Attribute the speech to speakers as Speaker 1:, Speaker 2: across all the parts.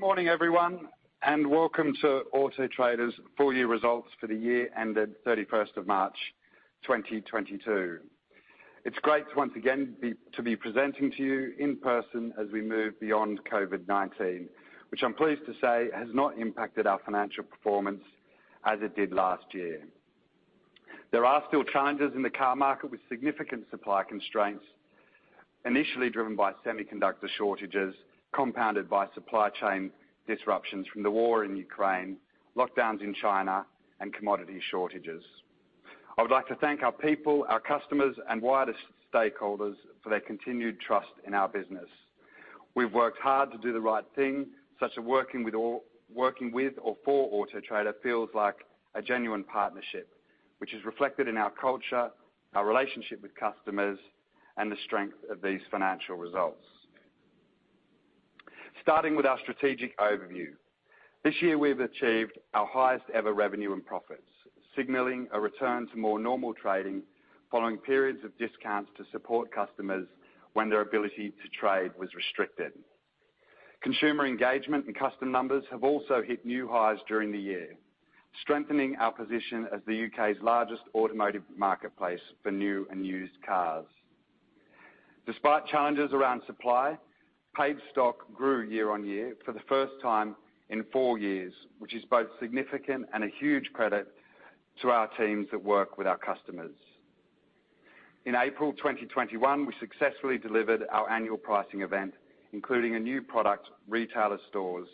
Speaker 1: Good morning, everyone, and welcome to Auto Trader's full year results for the year ended 31st of March 2022. It's great to once again to be presenting to you in person as we move beyond COVID-19, which I'm pleased to say has not impacted our financial performance as it did last year. There are still challenges in the car market with significant supply constraints, initially driven by semiconductor shortages, compounded by supply chain disruptions from the war in Ukraine, lockdowns in China, and commodity shortages. I would like to thank our people, our customers, and wider stakeholders for their continued trust in our business., We've worked hard to do the right thing, such that working with or for Auto Trader feels like a genuine partnership, which is reflected in our culture, our relationship with customers, and the strength of these financial results. Starting with our strategic overview. This year we've achieved our highest ever revenue and profits, signaling a return to more normal trading following periods of discounts to support customers when their ability to trade was restricted. Consumer engagement and customer numbers have also hit new highs during the year, strengthening our position as the UK's largest automotive marketplace for new and used cars. Despite challenges around supply, paid stock grew year-over-year for the first time in 4 years, which is both significant and a huge credit to our teams that work with our customers. In April 2021, we successfully delivered our annual pricing event, including a new product, Retailer Stores,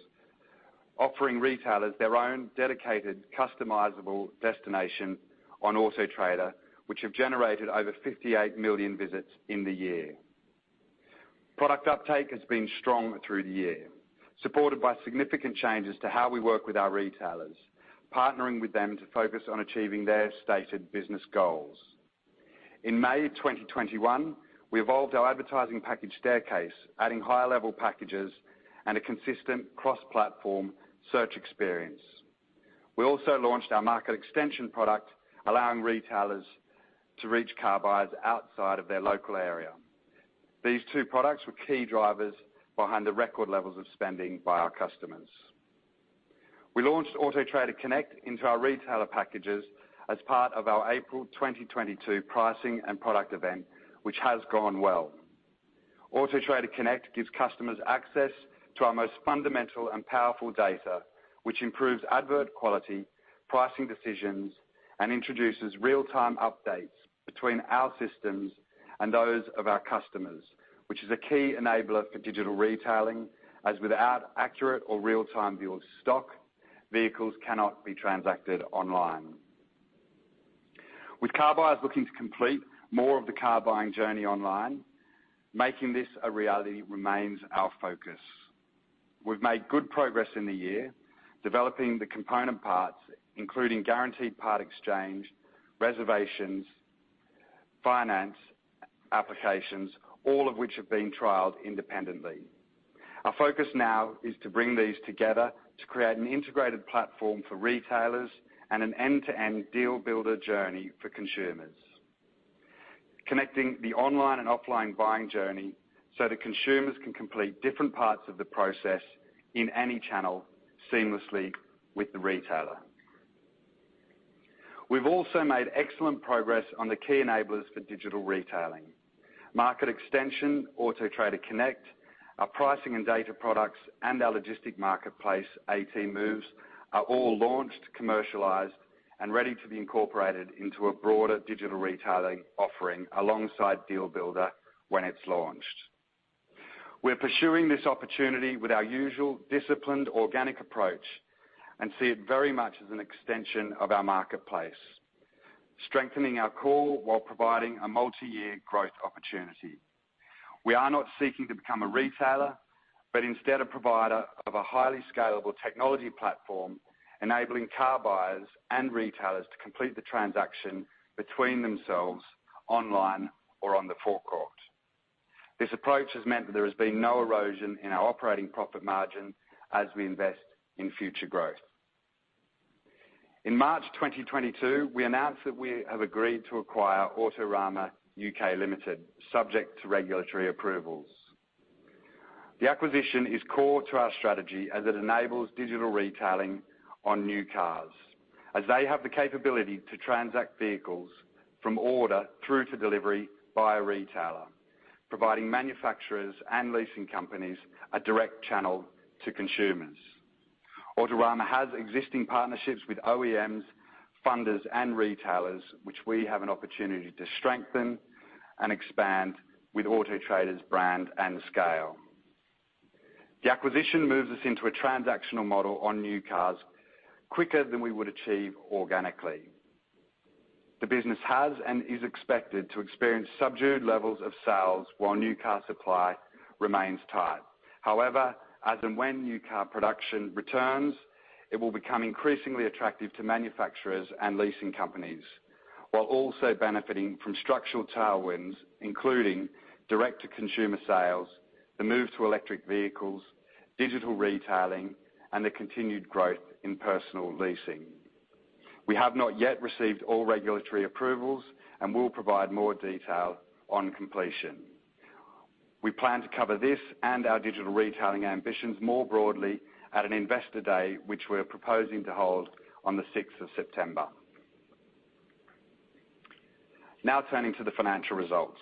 Speaker 1: offering retailers their own dedicated customizable destination on Auto Trader, which have generated over 58 million visits in the year. Product uptake has been strong through the year, supported by significant changes to how we work with our retailers, partnering with them to focus on achieving their stated business goals. In May 2021, we evolved our advertising package staircase, adding higher level packages and a consistent cross-platform search experience. We also launched our Market Extension product, allowing retailers to reach car buyers outside of their local area. These two products were key drivers behind the record levels of spending by our customers. We launched Auto Trader Connect into our retailer packages as part of our April 2022 pricing and product event, which has gone well. Auto Trader Connect gives customers access to our most fundamental and powerful data, which improves ad quality, pricing decisions, and introduces real-time updates between our systems and those of our customers, which is a key enabler for digital retailing, as without accurate or real-time view of stock, vehicles cannot be transacted online. With car buyers looking to complete more of the car buying journey online, making this a reality remains our focus. We've made good progress in the year, developing the component parts, including Guaranteed Part-Exchange, reservations, finance applications, all of which have been trialed independently. Our focus now is to bring these together to create an integrated platform for retailers and an end-to-end Deal Builder journey for consumers. Connecting the online and offline buying journey so that consumers can complete different parts of the process in any channel seamlessly with the retailer. We've also made excellent progress on the key enablers for digital retailing. Market Extension, Auto Trader Connect, our pricing and data products, and our logistics marketplace, Vehicle Moves, are all launched, commercialized, and ready to be incorporated into a broader digital retailing offering alongside Deal Builder when it's launched. We're pursuing this opportunity with our usual disciplined organic approach and see it very much as an extension of our marketplace, strengthening our core while providing a multi-year growth opportunity. We are not seeking to become a retailer, but instead a provider of a highly scalable technology platform, enabling car buyers and retailers to complete the transaction between themselves online or on the forecourt. This approach has meant that there has been no erosion in our operating profit margin as we invest in future growth. In March 2022, we announced that we have agreed to acquire Autorama UK Limited subject to regulatory approvals. The acquisition is core to our strategy as it enables digital retailing on new cars, as they have the capability to transact vehicles from order through to delivery by a retailer, providing manufacturers and leasing companies a direct channel to consumers. Autorama has existing partnerships with OEMs, funders, and retailers, which we have an opportunity to strengthen and expand with Auto Trader's brand and scale. The acquisition moves us into a transactional model on new cars quicker than we would achieve organically. The business has and is expected to experience subdued levels of sales while new car supply remains tight. However, as and when new car production returns, it will become increasingly attractive to manufacturers and leasing companies, while also benefiting from structural tailwinds, including direct to consumer sales, the move to electric vehicles, digital retailing, and the continued growth in personal leasing. We have not yet received all regulatory approvals, and we'll provide more detail on completion. We plan to cover this and our digital retailing ambitions more broadly at an investor day, which we're proposing to hold on the sixth of September. Now turning to the financial results.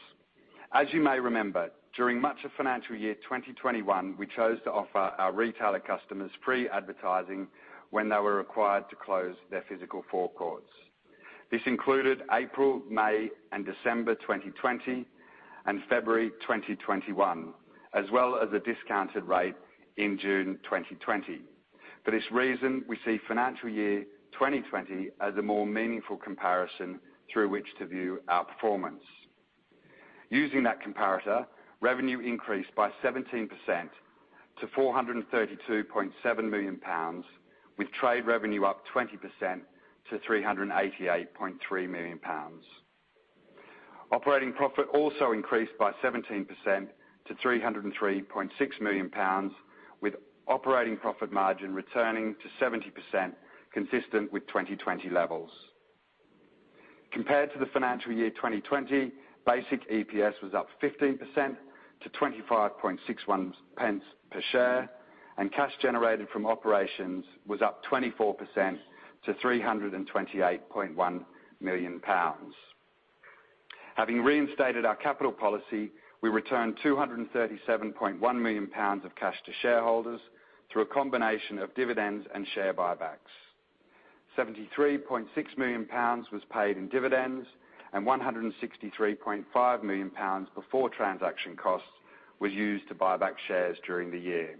Speaker 1: As you may remember, during much of financial year 2021, we chose to offer our retailer customers free advertising when they were required to close their physical forecourts. This included April, May, and December 2020, and February 2021, as well as a discounted rate in June 2020. For this reason, we see financial year 2020 as a more meaningful comparison through which to view our performance. Using that comparator, revenue increased by 17% to 432.7 million pounds, with trade revenue up 20% to 388.3 million pounds. Operating profit also increased by 17% to 303.6 million pounds, with operating profit margin returning to 70% consistent with 2020 levels. Compared to the financial year 2020, basic EPS was up 15% to 25.61 pence per share, and cash generated from operations was up 24% to 328.1 million pounds. Having reinstated our capital policy, we returned 237.1 million pounds of cash to shareholders through a combination of dividends and share buybacks. 73.6 million pounds was paid in dividends, and 163.5 million pounds before transaction costs were used to buy back shares during the year.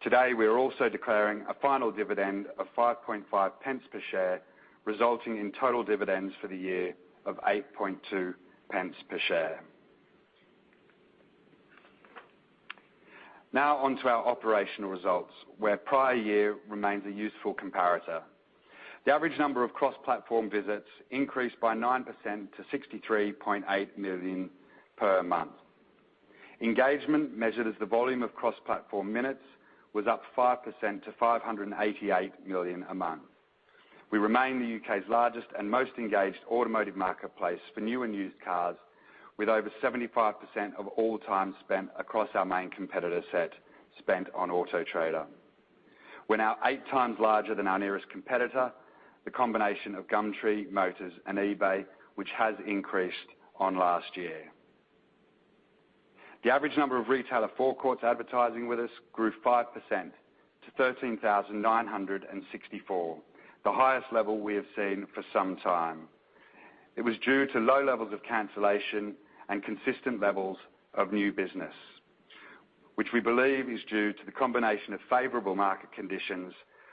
Speaker 1: Today, we are also declaring a final dividend of 5.5 pence per share, resulting in total dividends for the year of 8.2 pence per share. Now on to our operational results, where prior year remains a useful comparator. The average number of cross-platform visits increased by 9% to 63.8 million per month. Engagement, measured as the volume of cross-platform minutes, was up 5% to 588 million a month. We remain the UK's largest and most engaged automotive marketplace for new and used cars with over 75% of all the time spent across our main competitor set spent on Auto Trader. We're now eight times larger than our nearest competitor, the combination of Gumtree, Motors.co.uk, and eBay, which has increased on last year. The average number of retailer forecourts advertising with us grew 5% to 13,964, the highest level we have seen for some time. It was due to low levels of cancellation and consistent levels of new business, which we believe is due to the combination of favorable market conditions,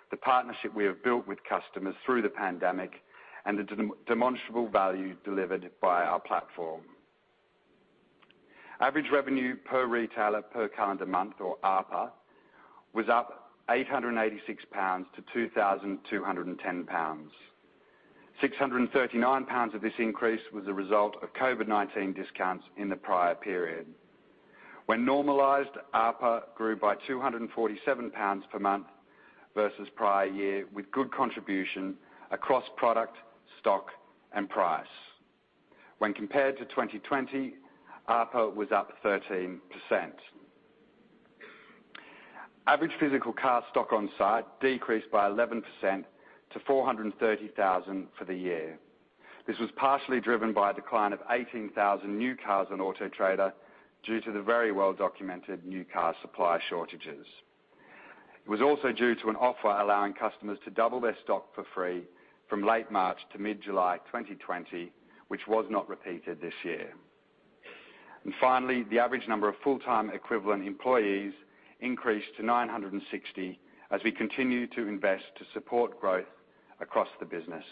Speaker 1: the partnership we have built with customers through the pandemic, and the demonstrable value delivered by our platform. Average revenue per retailer per calendar month, or ARPA, was up 886 pounds to 2,210 pounds. 639 pounds of this increase was a result of COVID-19 discounts in the prior period. When normalized, ARPA grew by 247 pounds per month versus prior year with good contribution across product, stock, and price. When compared to 2020, ARPA was up 13%. Average physical car stock on site decreased by 11% to 430,000 for the year. This was partially driven by a decline of 18,000 new cars on Auto Trader due to the very well-documented new car supply shortages. It was also due to an offer allowing customers to double their stock for free from late March to mid-July 2020, which was not repeated this year. Finally, the average number of full-time equivalent employees increased to 960 as we continue to invest to support growth across the business.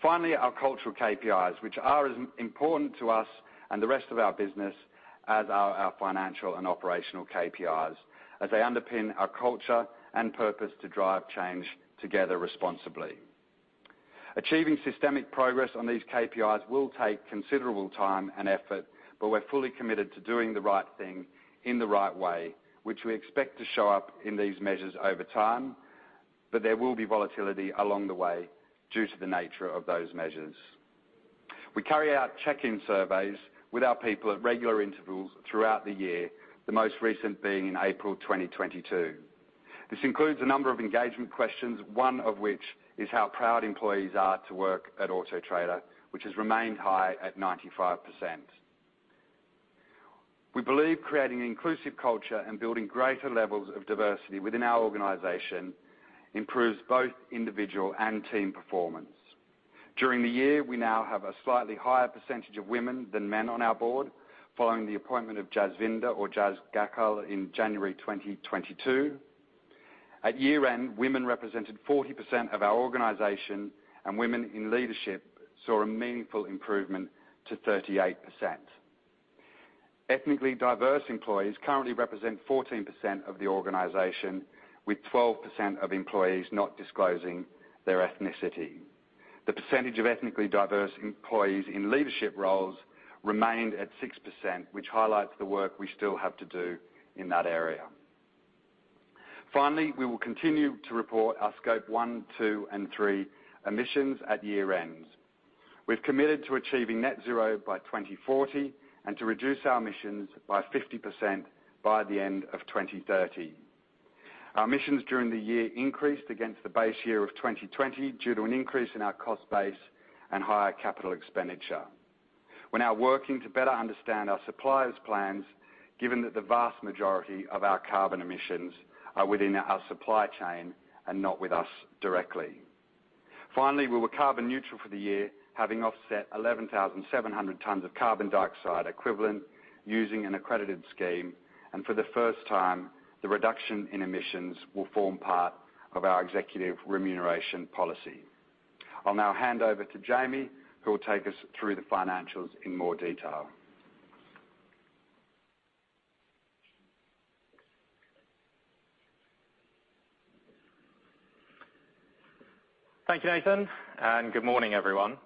Speaker 1: Finally, our cultural KPIs, which are as important to us and the rest of our business as are our financial and operational KPIs, as they underpin our culture and purpose to drive change together responsibly. Achieving systemic progress on these KPIs will take considerable time and effort, but we're fully committed to doing the right thing in the right way, which we expect to show up in these measures over time. There will be volatility along the way due to the nature of those measures. We carry out check-in surveys with our people at regular intervals throughout the year, the most recent being in April 2022. This includes a number of engagement questions, one of which is how proud employees are to work at Auto Trader, which has remained high at 95%. We believe creating an inclusive culture and building greater levels of diversity within our organization improves both individual and team performance. During the year, we now have a slightly higher percentage of women than men on our board following the appointment of Jasvinder or Jas Gakhal in January 2022. At year-end, women represented 40% of our organization, and women in leadership saw a meaningful improvement to 38%. Ethnically diverse employees currently represent 14% of the organization, with 12% of employees not disclosing their ethnicity. The percentage of ethnically diverse employees in leadership roles remained at 6%, which highlights the work we still have to do in that area. Finally, we will continue to report our Scope 1, 2, and 3 emissions at year-end. We've committed to achieving net zero by 2040, and to reduce our emissions by 50% by the end of 2030. Our emissions during the year increased against the base year of 2020 due to an increase in our cost base and higher capital expenditure. We're now working to better understand our suppliers' plans given that the vast majority of our carbon emissions are within our supply chain and not with us directly. Finally, we were carbon neutral for the year, having offset 11,700 tons of carbon dioxide equivalent using an accredited scheme, and for the first time, the reduction in emissions will form part of our executive remuneration policy. I'll now hand over to Jamie, who will take us through the financials in more detail.
Speaker 2: Thank you, Nathan, and good morning, everyone.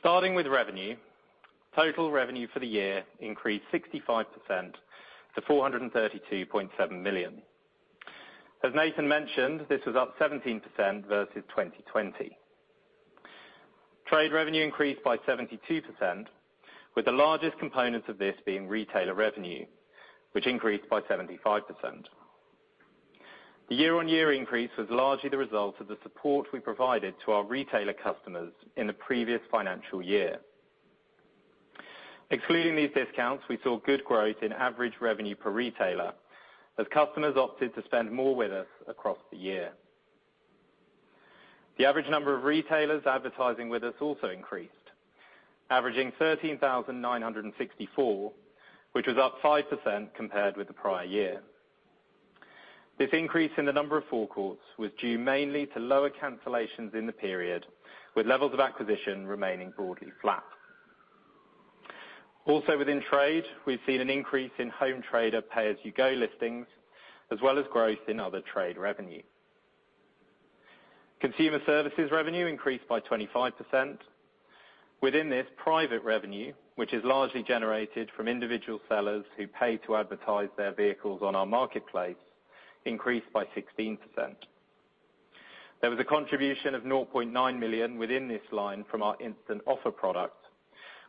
Speaker 2: Starting with revenue, total revenue for the year increased 65% to 432.7 million. As Nathan mentioned, this was up 17% versus 2020. Trade revenue increased by 72%, with the largest components of this being retailer revenue, which increased by 75%. The year-on-year increase was largely the result of the support we provided to our retailer customers in the previous financial year. Excluding these discounts, we saw good growth in average revenue per retailer as customers opted to spend more with us across the year. The average number of retailers advertising with us also increased, averaging 13,964, which was up 5% compared with the prior year. This increase in the number of forecourts was due mainly to lower cancellations in the period, with levels of acquisition remaining broadly flat. Also within trade, we've seen an increase in home trader pay-as-you-go listings, as well as growth in other trade revenue. Consumer services revenue increased by 25%. Within this, private revenue, which is largely generated from individual sellers who pay to advertise their vehicles on our marketplace, increased by 16%. There was a contribution of 0.9 million within this line from our Instant Offer product,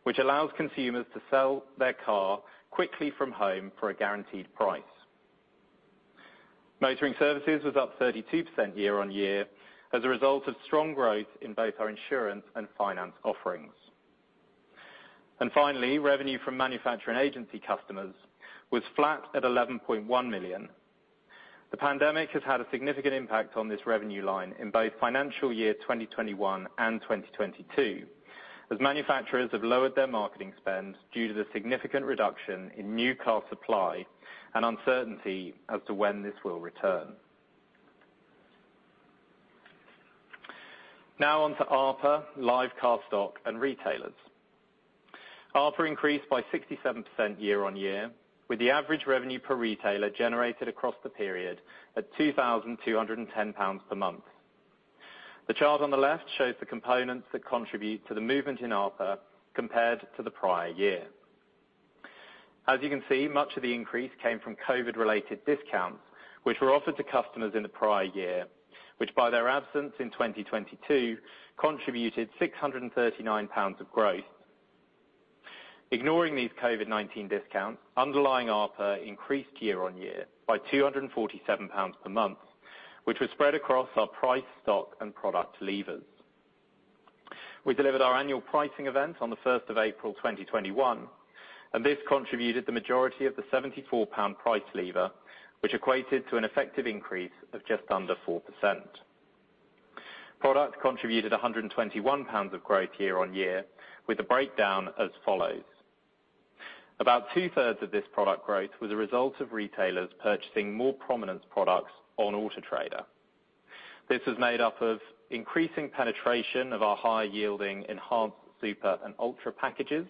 Speaker 2: which allows consumers to sell their car quickly from home for a guaranteed price. Motoring services was up 32% year-on-year as a result of strong growth in both our insurance and finance offerings. Finally, revenue from manufacturer agency customers was flat at 11.1 million. The pandemic has had a significant impact on this revenue line in both financial year 2021 and 2022 as manufacturers have lowered their marketing spend due to the significant reduction in new car supply and uncertainty as to when this will return. Now on to ARPA, live car stock, and retailers. ARPA increased by 67% year-on-year, with the average revenue per retailer generated across the period at 2,210 pounds per month. The chart on the left shows the components that contribute to the movement in ARPA compared to the prior year. As you can see, much of the increase came from COVID-related discounts, which were offered to customers in the prior year, which by their absence in 2022 contributed 639 pounds of growth. Ignoring these COVID-19 discounts, underlying ARPA increased year on year by 247 pounds per month, which was spread across our price, stock, and product levers. We delivered our annual pricing event on the first of April, 2021, and this contributed the majority of the 74-pound price lever, which equated to an effective increase of just under 4%. Product contributed 121 pounds of growth year on year, with the breakdown as follows. About two-thirds of this product growth were the result of retailers purchasing more prominence products on Auto Trader. This is made up of increasing penetration of our higher-yielding Enhanced, Super, and Ultra packages,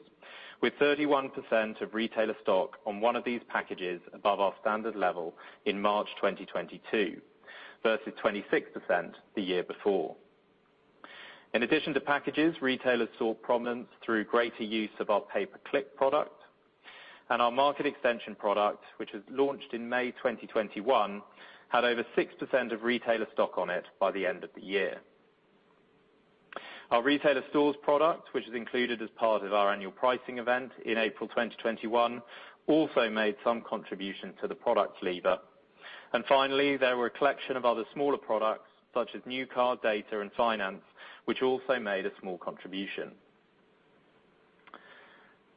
Speaker 2: with 31% of retailer stock on one of these packages above our standard level in March 2022 versus 26% the year before. In addition to packages, retailers saw prominence through greater use of our Pay Per Click product and our Market Extension product, which was launched in May 2021, had over 6% of retailer stock on it by the end of the year. Our Retailer Stores product, which is included as part of our annual pricing event in April 2021, also made some contribution to the product lever. Finally, there were a collection of other smaller products such as new car data and finance, which also made a small contribution.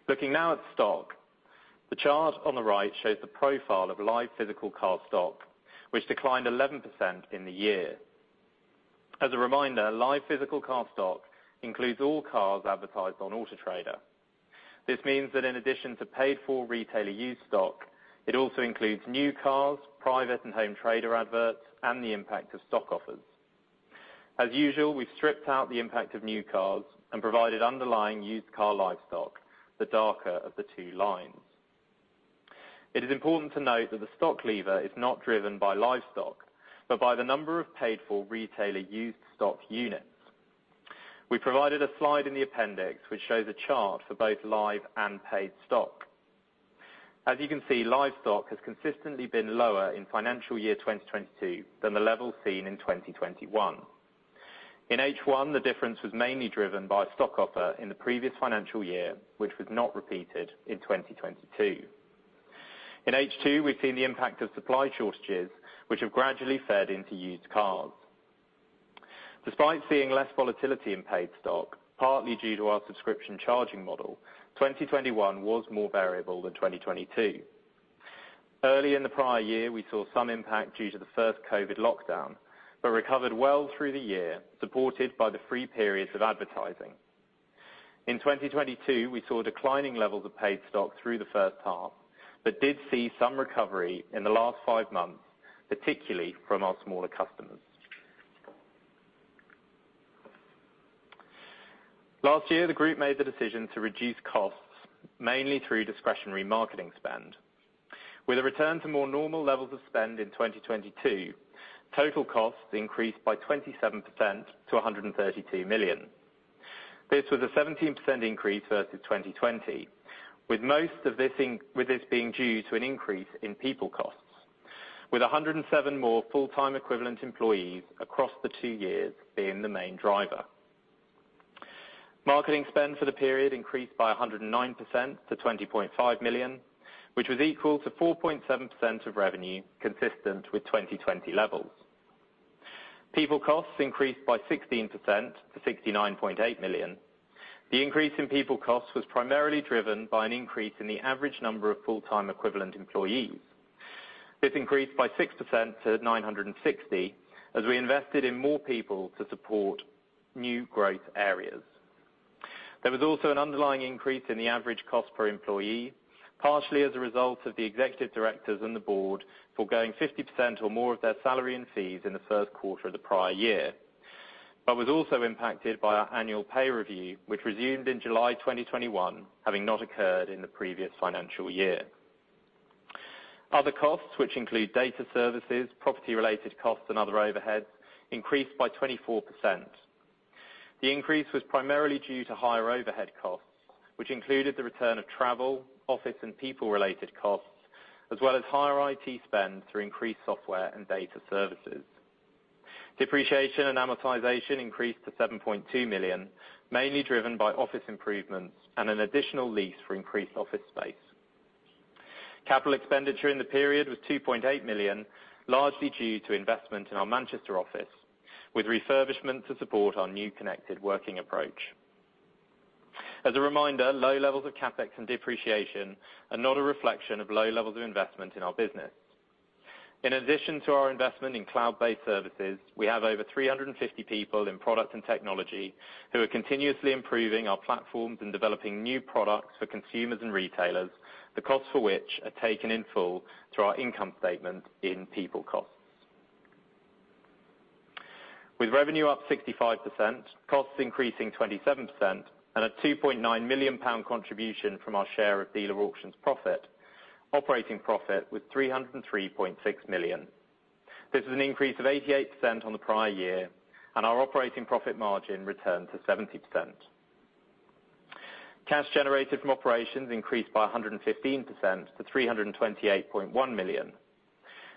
Speaker 2: Looking now at stock, the chart on the right shows the profile of live physical car stock, which declined 11% in the year. As a reminder, live physical car stock includes all cars advertised on Auto Trader. This means that in addition to paid-for retailer used stock, it also includes new cars, private and home trader adverts, and the impact of stock offers. As usual, we stripped out the impact of new cars and provided underlying used car live stock, the darker of the two lines. It is important to note that the stock lever is not driven by live stock, but by the number of paid-for retailer used stock units. We provided a slide in the appendix which shows a chart for both live and paid stock. As you can see, live stock has consistently been lower in financial year 2022 than the level seen in 2021. In H1, the difference was mainly driven by stock offer in the previous financial year, which was not repeated in 2022. In H2, we've seen the impact of supply shortages, which have gradually fed into used cars. Despite seeing less volatility in paid stock, partly due to our subscription charging model, 2021 was more variable than 2022. Early in the prior year, we saw some impact due to the first COVID lockdown, but recovered well through the year, supported by the free periods of advertising. In 2022, we saw declining levels of paid stock through the first half, but did see some recovery in the last five months, particularly from our smaller customers. Last year, the group made the decision to reduce costs, mainly through discretionary marketing spend. With a return to more normal levels of spend in 2022, total costs increased by 27% to 132 million. This was a 17% increase versus 2020, with most of this being due to an increase in people costs, with 107 more full-time equivalent employees across the two years being the main driver. Marketing spend for the period increased by 109% to 20.5 million, which was equal to 4.7% of revenue, consistent with 2020 levels. People costs increased by 16% to 69.8 million. The increase in people costs was primarily driven by an increase in the average number of full-time equivalent employees. This increased by 6% to 960, as we invested in more people to support new growth areas. There was also an underlying increase in the average cost per employee, partially as a result of the executive directors and the board foregoing 50% or more of their salary and fees in the first quarter of the prior year, but was also impacted by our annual pay review, which resumed in July 2021, having not occurred in the previous financial year. Other costs, which include data services, property related costs and other overheads, increased by 24%. The increase was primarily due to higher overhead costs, which included the return of travel, office and people related costs, as well as higher IT spend through increased software and data services. Depreciation and amortization increased to 7.2 million, mainly driven by office improvements and an additional lease for increased office space. Capital expenditure in the period was 2.8 million, largely due to investment in our Manchester office, with refurbishment to support our new connected working approach. As a reminder, low levels of CapEx and depreciation are not a reflection of low levels of investment in our business. In addition to our investment in cloud-based services, we have over 350 people in product and technology who are continuously improving our platforms and developing new products for consumers and retailers, the costs for which are taken in full through our income statement in people costs. With revenue up 65%, costs increasing 27%, and a 2.9 million pound contribution from our share of Dealer Auction's profit, operating profit was 303.6 million. This is an increase of 88% on the prior year, and our operating profit margin returned to 70%. Cash generated from operations increased by 115% to 328.1 million.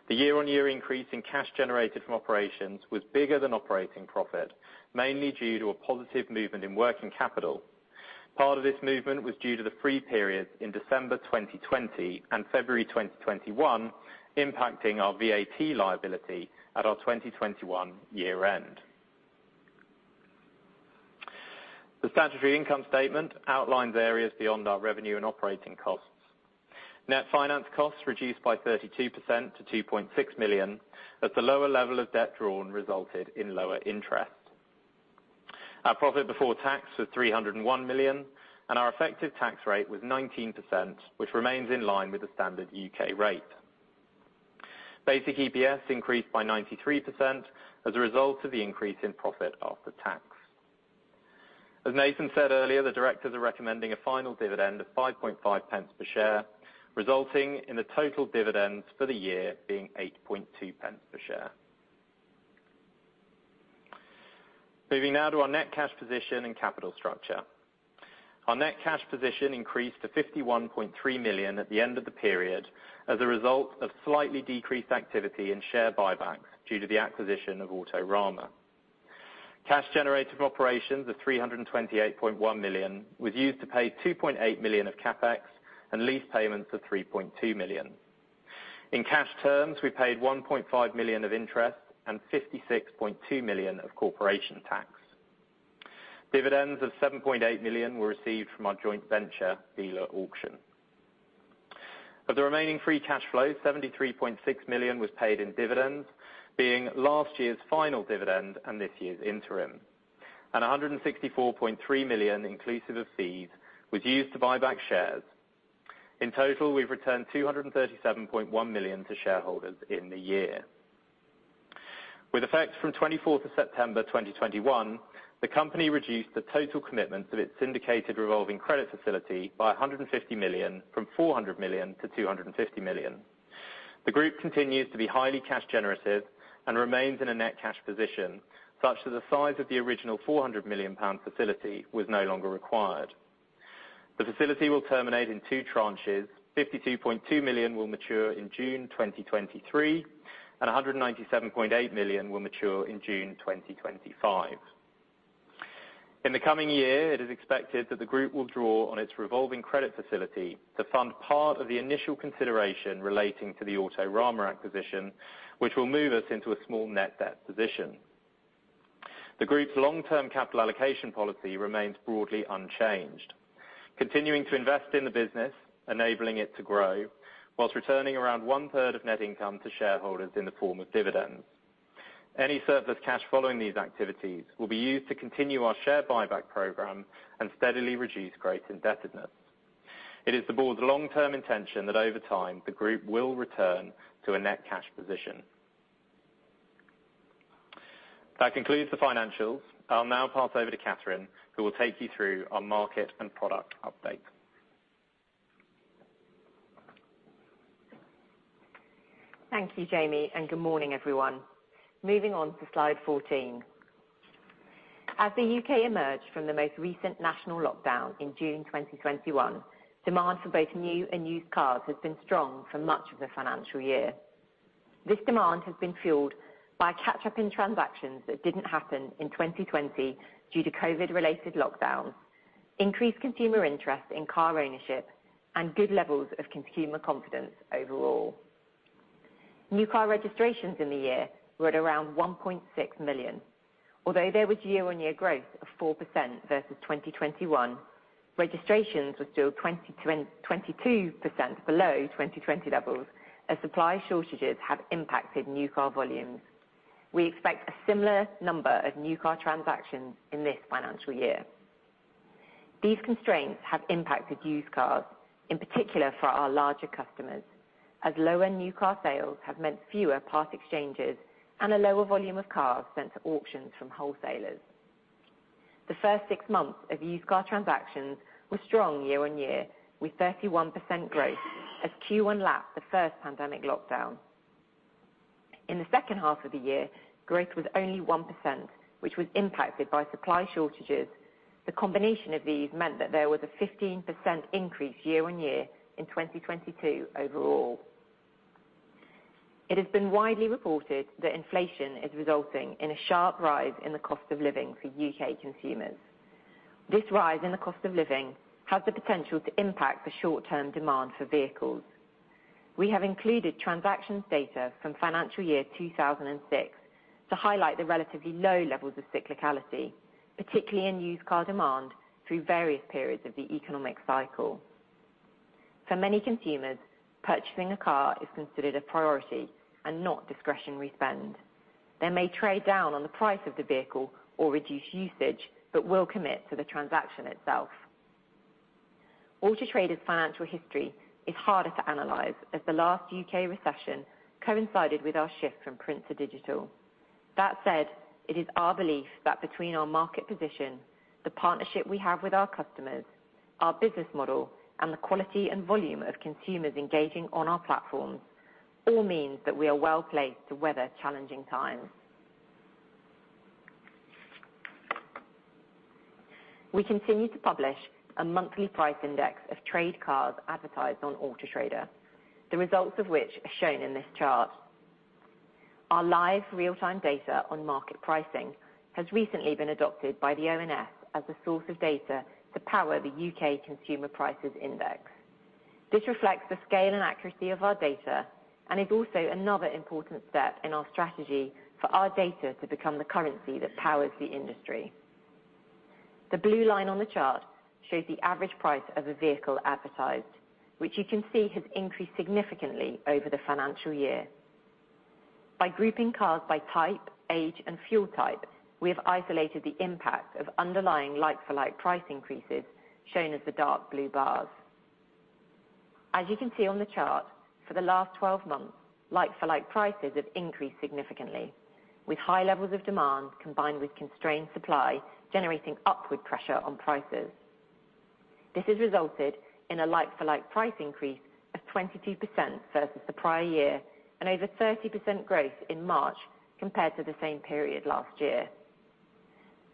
Speaker 2: The year-on-year increase in cash generated from operations was bigger than operating profit, mainly due to a positive movement in working capital. Part of this movement was due to the free period in December 2020 and February 2021 impacting our VAT liability at our 2021 year end. The statutory income statement outlines areas beyond our revenue and operating costs. Net finance costs reduced by 32% to 2.6 million, as the lower level of debt drawn resulted in lower interest. Our profit before tax was 301 million, and our effective tax rate was 19%, which remains in line with the standard U.K. rate. Basic EPS increased by 93% as a result of the increase in profit after tax. As Nathan said earlier, the directors are recommending a final dividend of 0.055 per share, resulting in the total dividends for the year being 0.082 per share. Moving now to our net cash position and capital structure. Our net cash position increased to 51.3 million at the end of the period as a result of slightly decreased activity in share buybacks due to the acquisition of Autorama. Cash generated from operations of 328.1 million was used to pay 2.8 million of CapEx and lease payments of 3.2 million. In cash terms, we paid 1.5 million of interest and 56.2 million of Corporation Tax. Dividends of 7.8 million were received from our joint venture Dealer Auction. Of the remaining free cash flow, 73.6 million was paid in dividends, being last year's final dividend and this year's interim, and 164.3 million, inclusive of fees, was used to buy back shares. In total, we've returned 237.1 million to shareholders in the year. With effect from 24th of September, 2021, the company reduced the total commitments of its syndicated revolving credit facility by 150 million from 400 million to 250 million. The group continues to be highly cash generative and remains in a net cash position such that the size of the original 400 million pound facility was no longer required. The facility will terminate in two tranches. 52.2 million will mature in June 2023, and 197.8 million will mature in June 2025. In the coming year, it is expected that the group will draw on its revolving credit facility to fund part of the initial consideration relating to the Autorama acquisition, which will move us into a small net debt position. The group's long-term capital allocation policy remains broadly unchanged, continuing to invest in the business, enabling it to grow, whilst returning around one-third of net income to shareholders in the form of dividends. Any surplus cash following these activities will be used to continue our share buyback program and steadily reduce great indebtedness. It is the board's long-term intention that over time, the group will return to a net cash position. That concludes the financials. I'll now pass over to Catherine Faiers, who will take you through our market and product update.
Speaker 3: Thank you, Jamie, and good morning, everyone. Moving on to slide 14. As the UK emerged from the most recent national lockdown in June 2021, demand for both new and used cars has been strong for much of the financial year. This demand has been fueled by a catch-up in transactions that didn't happen in 2020 due to COVID-19-related lockdowns, increased consumer interest in car ownership, and good levels of consumer confidence overall. New car registrations in the year were at around 1.6 million. Although there was year-on-year growth of 4% versus 2021, registrations were still 22% below 2020 levels as supply shortages have impacted new car volumes. We expect a similar number of new car transactions in this financial year. These constraints have impacted used cars, in particular for our larger customers, as lower new car sales have meant fewer part exchanges and a lower volume of cars sent to auctions from wholesalers. The first six months of used car transactions were strong year-on-year, with 31% growth as Q1 lapped the first pandemic lockdown. In the second half of the year, growth was only 1%, which was impacted by supply shortages. The combination of these meant that there was a 15% increase year-on-year in 2022 overall. It has been widely reported that inflation is resulting in a sharp rise in the cost of living for U.K. consumers. This rise in the cost of living has the potential to impact the short-term demand for vehicles. We have included transactions data from financial year 2006 to highlight the relatively low levels of cyclicality, particularly in used car demand through various periods of the economic cycle. For many consumers, purchasing a car is considered a priority and not discretionary spend. They may trade down on the price of the vehicle or reduce usage, but will commit to the transaction itself. Auto Trader's financial history is harder to analyze as the last UK recession coincided with our shift from print to digital. That said, it is our belief that between our market position, the partnership we have with our customers, our business model, and the quality and volume of consumers engaging on our platforms all means that we are well placed to weather challenging times. We continue to publish a monthly price index of trade cars advertised on Auto Trader, the results of which are shown in this chart. Our live real-time data on market pricing has recently been adopted by the ONS as a source of data to power the UK Consumer Prices Index. This reflects the scale and accuracy of our data and is also another important step in our strategy for our data to become the currency that powers the industry. The blue line on the chart shows the average price of a vehicle advertised, which you can see has increased significantly over the financial year. By grouping cars by type, age, and fuel type, we have isolated the impact of underlying like for like price increases shown as the dark blue bars. As you can see on the chart, for the last 12 months, like for like prices have increased significantly, with high levels of demand combined with constrained supply generating upward pressure on prices. This has resulted in a like for like price increase of 22% versus the prior year and over 30% growth in March compared to the same period last year.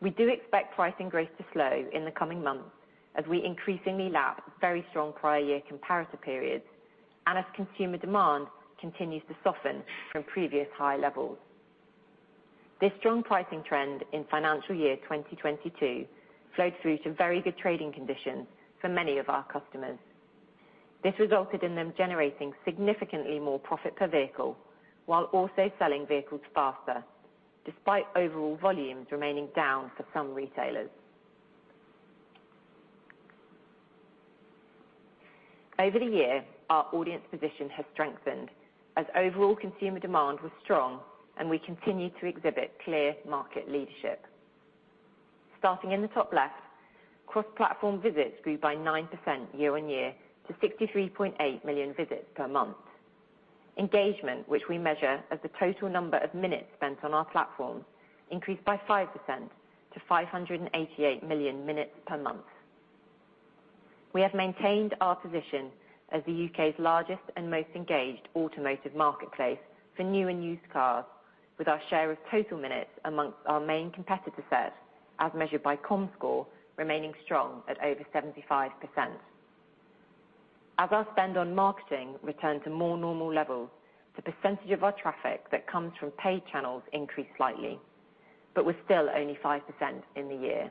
Speaker 3: We do expect pricing growth to slow in the coming months as we increasingly lap very strong prior year comparator periods and as consumer demand continues to soften from previous high levels. This strong pricing trend in financial year 2022 flowed through to very good trading conditions for many of our customers. This resulted in them generating significantly more profit per vehicle while also selling vehicles faster, despite overall volumes remaining down for some retailers. Over the year, our audience position has strengthened as overall consumer demand was strong and we continued to exhibit clear market leadership. Starting in the top left, cross-platform visits grew by 9% year-on-year to 63.8 million visits per month. Engagement, which we measure as the total number of minutes spent on our platform, increased by 5% to 588 million minutes per month. We have maintained our position as the U.K.'s largest and most engaged automotive marketplace for new and used cars, with our share of total minutes amongst our main competitor set as measured by Comscore remaining strong at over 75%. As our spend on marketing returned to more normal levels, the percentage of our traffic that comes from paid channels increased slightly, but was still only 5% in the year.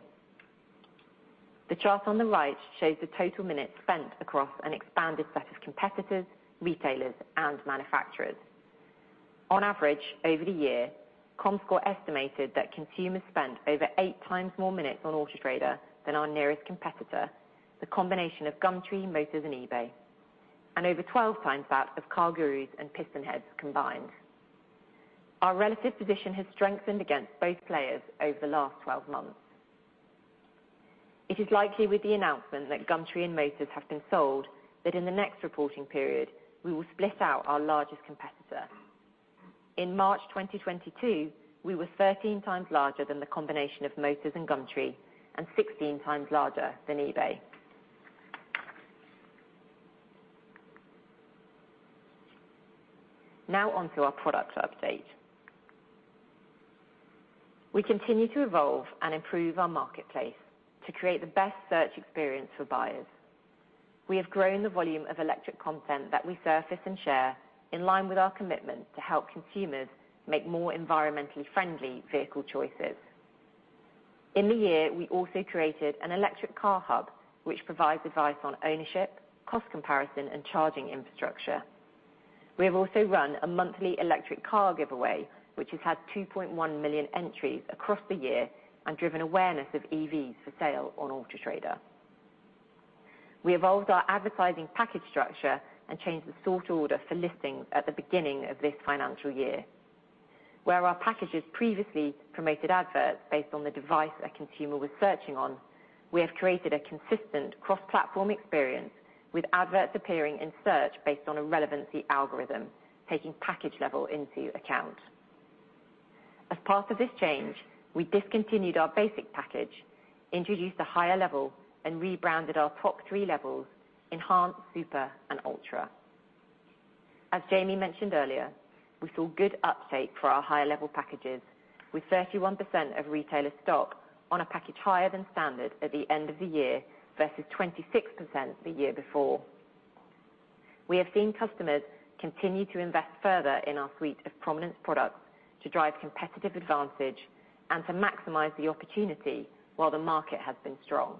Speaker 3: The chart on the right shows the total minutes spent across an expanded set of competitors, retailers, and manufacturers. On average, over the year, Comscore estimated that consumers spent over 8 times more minutes on Auto Trader than our nearest competitor, the combination of Gumtree, Motors.co.uk and eBay, and over 12 times that of CarGurus and PistonHeads combined. Our relative position has strengthened against both players over the last 12 months. It is likely with the announcement that Gumtree and Motors.co.uk have been sold, that in the next reporting period we will split out our largest competitor. In March 2022, we were 13 times larger than the combination of Motors.co.uk and Gumtree, and 16 times larger than eBay. Now on to our products update. We continue to evolve and improve our marketplace to create the best search experience for buyers. We have grown the volume of electric content that we surface and share in line with our commitment to help consumers make more environmentally friendly vehicle choices. In the year, we also created an electric car hub, which provides advice on ownership, cost comparison, and charging infrastructure. We have also run a monthly electric car giveaway, which has had 2.1 million entries across the year and driven awareness of EVs for sale on Auto Trader. We evolved our advertising package structure and changed the sort order for listings at the beginning of this financial year. Where our packages previously promoted adverts based on the device a consumer was searching on, we have created a consistent cross-platform experience with adverts appearing in search based on a relevancy algorithm, taking package level into account. As part of this change, we discontinued our basic package, introduced a higher level, and rebranded our top three levels Enhanced, Super and Ultra. As Jamie mentioned earlier, we saw good uptake for our higher level packages with 31% of retailer stock on a package higher than standard at the end of the year, versus 26% the year before. We have seen customers continue to invest further in our suite of prominence products to drive competitive advantage and to maximize the opportunity while the market has been strong.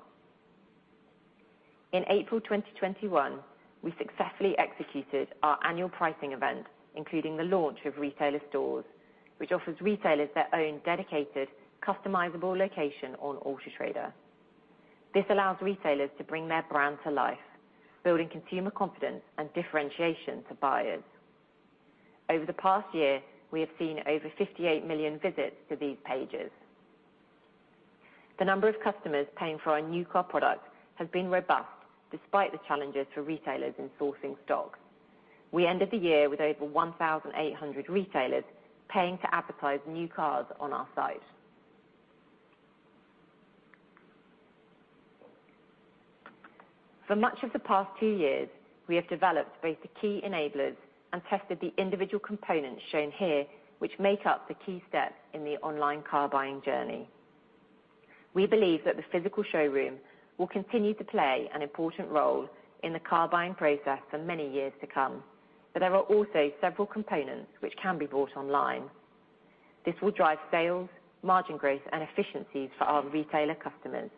Speaker 3: In April 2021, we successfully executed our annual pricing event, including the launch of Retailer Stores, which offers retailers their own dedicated customizable location on Auto Trader. This allows retailers to bring their brand to life, building consumer confidence and differentiation to buyers. Over the past year, we have seen over 58 million visits to these pages. The number of customers paying for our new car product has been robust despite the challenges for retailers in sourcing stock. We ended the year with over 1,800 retailers paying to advertise new cars on our site. For much of the past 2 years, we have developed both the key enablers and tested the individual components shown here, which make up the key steps in the online car buying journey. We believe that the physical showroom will continue to play an important role in the car buying process for many years to come, but there are also several components which can be bought online. This will drive sales, margin growth and efficiencies for our retailer customers,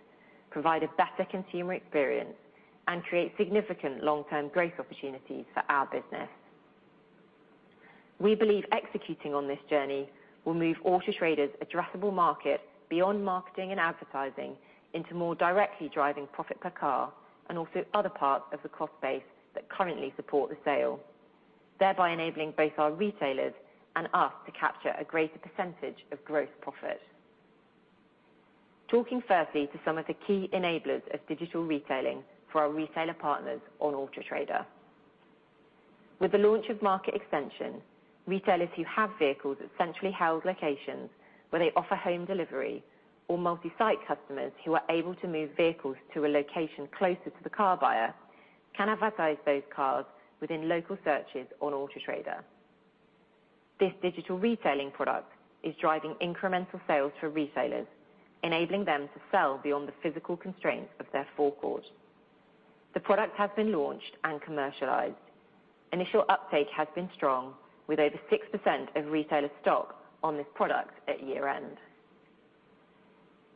Speaker 3: provide a better consumer experience, and create significant long-term growth opportunities for our business. We believe executing on this journey will move Auto Trader's addressable market beyond marketing and advertising into more directly driving profit per car, and also other parts of the cost base that currently support the sale. Thereby enabling both our retailers and us to capture a greater percentage of gross profit. Talking firstly to some of the key enablers of digital retailing for our retailer partners on Auto Trader. With the launch of Market Extension, retailers who have vehicles at centrally held locations where they offer home delivery or multi-site customers who are able to move vehicles to a location closer to the car buyer, can advertise those cars within local searches on Auto Trader. This digital retailing product is driving incremental sales for retailers, enabling them to sell beyond the physical constraints of their forecourt. The product has been launched and commercialized. Initial uptake has been strong, with over 6% of retailer stock on this product at year-end.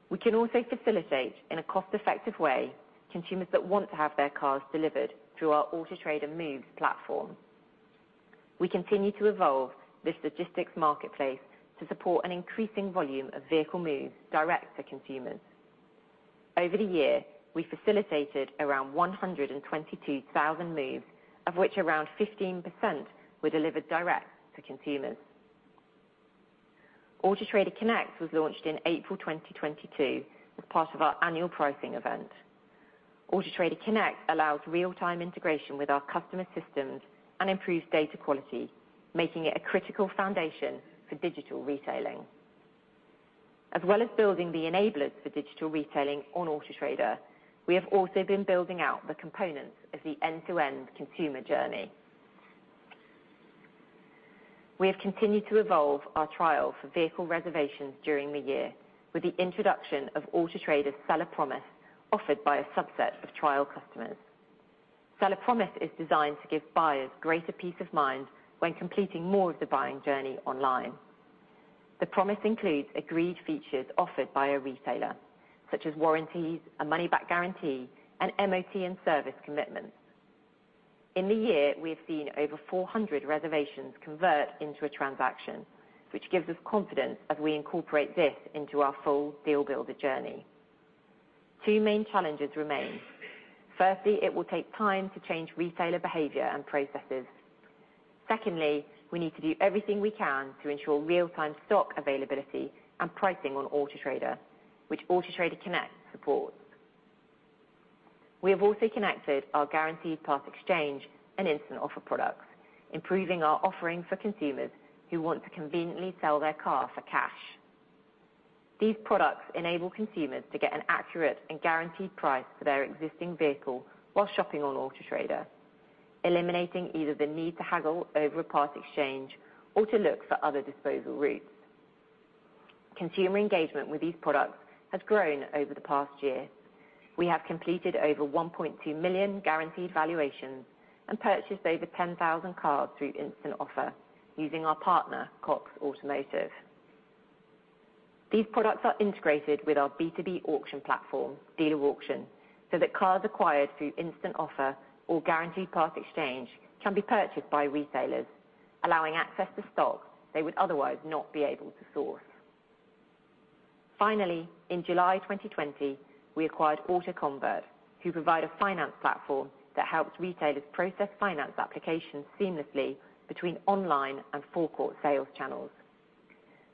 Speaker 3: We can also facilitate, in a cost-effective way, consumers that want to have their cars delivered through our Vehicle Moves platform. We continue to evolve this logistics marketplace to support an increasing volume of vehicle moves direct to consumers. Over the year, we facilitated around 122,000 moves, of which around 15% were delivered direct to consumers. Auto Trader Connect was launched in April 2022 as part of our annual pricing event. Auto Trader Connect allows real-time integration with our customer systems and improves data quality, making it a critical foundation for digital retailing. As well as building the enablers for digital retailing on Auto Trader, we have also been building out the components of the end-to-end consumer journey. We have continued to evolve our trial for vehicle reservations during the year with the introduction of Auto Trader Seller Promise offered by a subset of trial customers. Seller Promise is designed to give buyers greater peace of mind when completing more of the buying journey online. The promise includes agreed features offered by a retailer, such as warranties and money-back guarantee and MOT and service commitments. In the year, we have seen over 400 reservations convert into a transaction which gives us confidence as we incorporate this into our full Deal Builder journey. Two main challenges remain. Firstly, it will take time to change retailer behavior and processes. Secondly, we need to do everything we can to ensure real-time stock availability and pricing on Auto Trader, which Auto Trader Connect supports. We have also connected our Guaranteed Part-Exchange and Instant Offer products, improving our offerings for consumers who want to conveniently sell their car for cash. These products enable consumers to get an accurate and guaranteed price for their existing vehicle while shopping on Auto Trader, eliminating either the need to haggle over a part exchange or to look for other disposal routes. Consumer engagement with these products has grown over the past year. We have completed over 1.2 million guaranteed valuations and purchased over 10,000 cars through Instant Offer using our partner, Cox Automotive. These products are integrated with our B2B auction platform, Dealer Auction, so that cars acquired through Instant Offer or Guaranteed Part-Exchange can be purchased by retailers, allowing access to stock they would otherwise not be able to source. Finally, in July 2020, we acquired AutoConvert, who provide a finance platform that helps retailers process finance applications seamlessly between online and forecourt sales channels.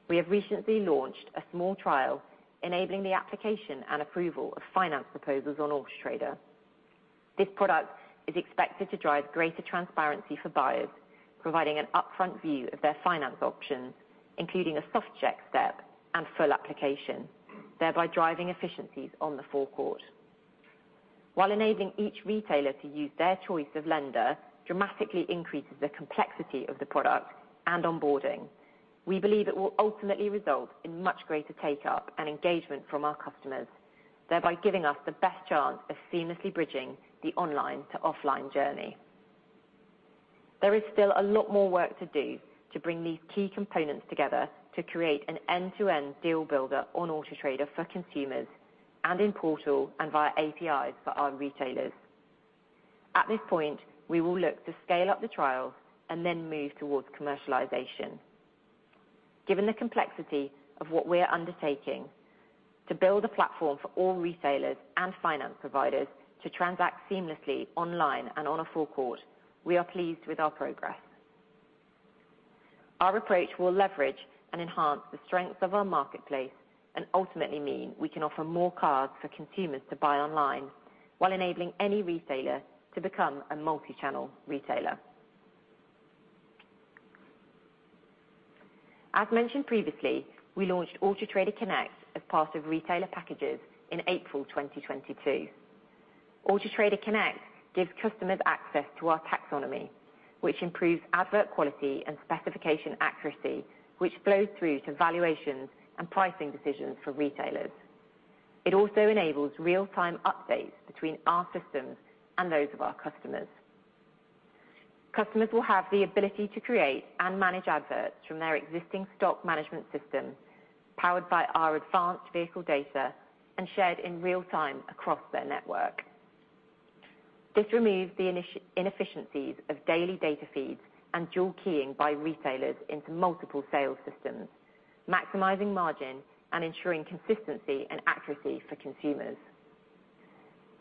Speaker 3: We have recently launched a small trial enabling the application and approval of finance proposals on Auto Trader. This product is expected to drive greater transparency for buyers, providing an upfront view of their finance options, including a soft check step and full application, thereby driving efficiencies on the forecourt. While enabling each retailer to use their choice of lender dramatically increases the complexity of the product and onboarding, we believe it will ultimately result in much greater take-up and engagement from our customers, thereby giving us the best chance of seamlessly bridging the online to offline journey. There is still a lot more work to do to bring these key components together to create an end-to-end Deal Builder on Auto Trader for consumers and in portal and via APIs for our retailers. At this point, we will look to scale up the trial and then move towards commercialization. Given the complexity of what we are undertaking to build a platform for all retailers and finance providers to transact seamlessly online and on a forecourt, we are pleased with our progress. Our approach will leverage and enhance the strengths of our marketplace and ultimately mean we can offer more cars for consumers to buy online while enabling any retailer to become a multi-channel retailer. As mentioned previously, we launched Auto Trader Connect as part of retailer packages in April 2022. Auto Trader Connect gives customers access to our taxonomy, which improves advert quality and specification accuracy, which flows through to valuations and pricing decisions for retailers. It also enables real-time updates between our systems and those of our customers. Customers will have the ability to create and manage adverts from their existing stock management system, powered by our advanced vehicle data and shared in real time across their network. This removes the inefficiencies of daily data feeds and dual keying by retailers into multiple sales systems, maximizing margin and ensuring consistency and accuracy for consumers.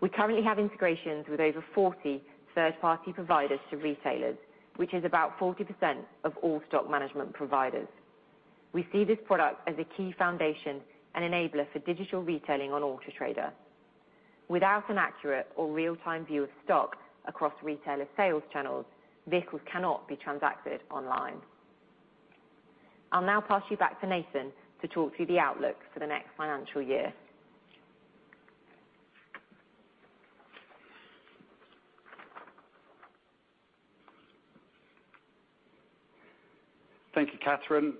Speaker 3: We currently have integrations with over 40 third-party providers to retailers, which is about 40% of all stock management providers. We see this product as a key foundation and enabler for digital retailing on Auto Trader. Without an accurate or real-time view of stock across retailer sales channels, vehicles cannot be transacted online. I'll now pass you back to Nathan to talk through the outlook for the next financial year.
Speaker 1: Thank you, Catherine.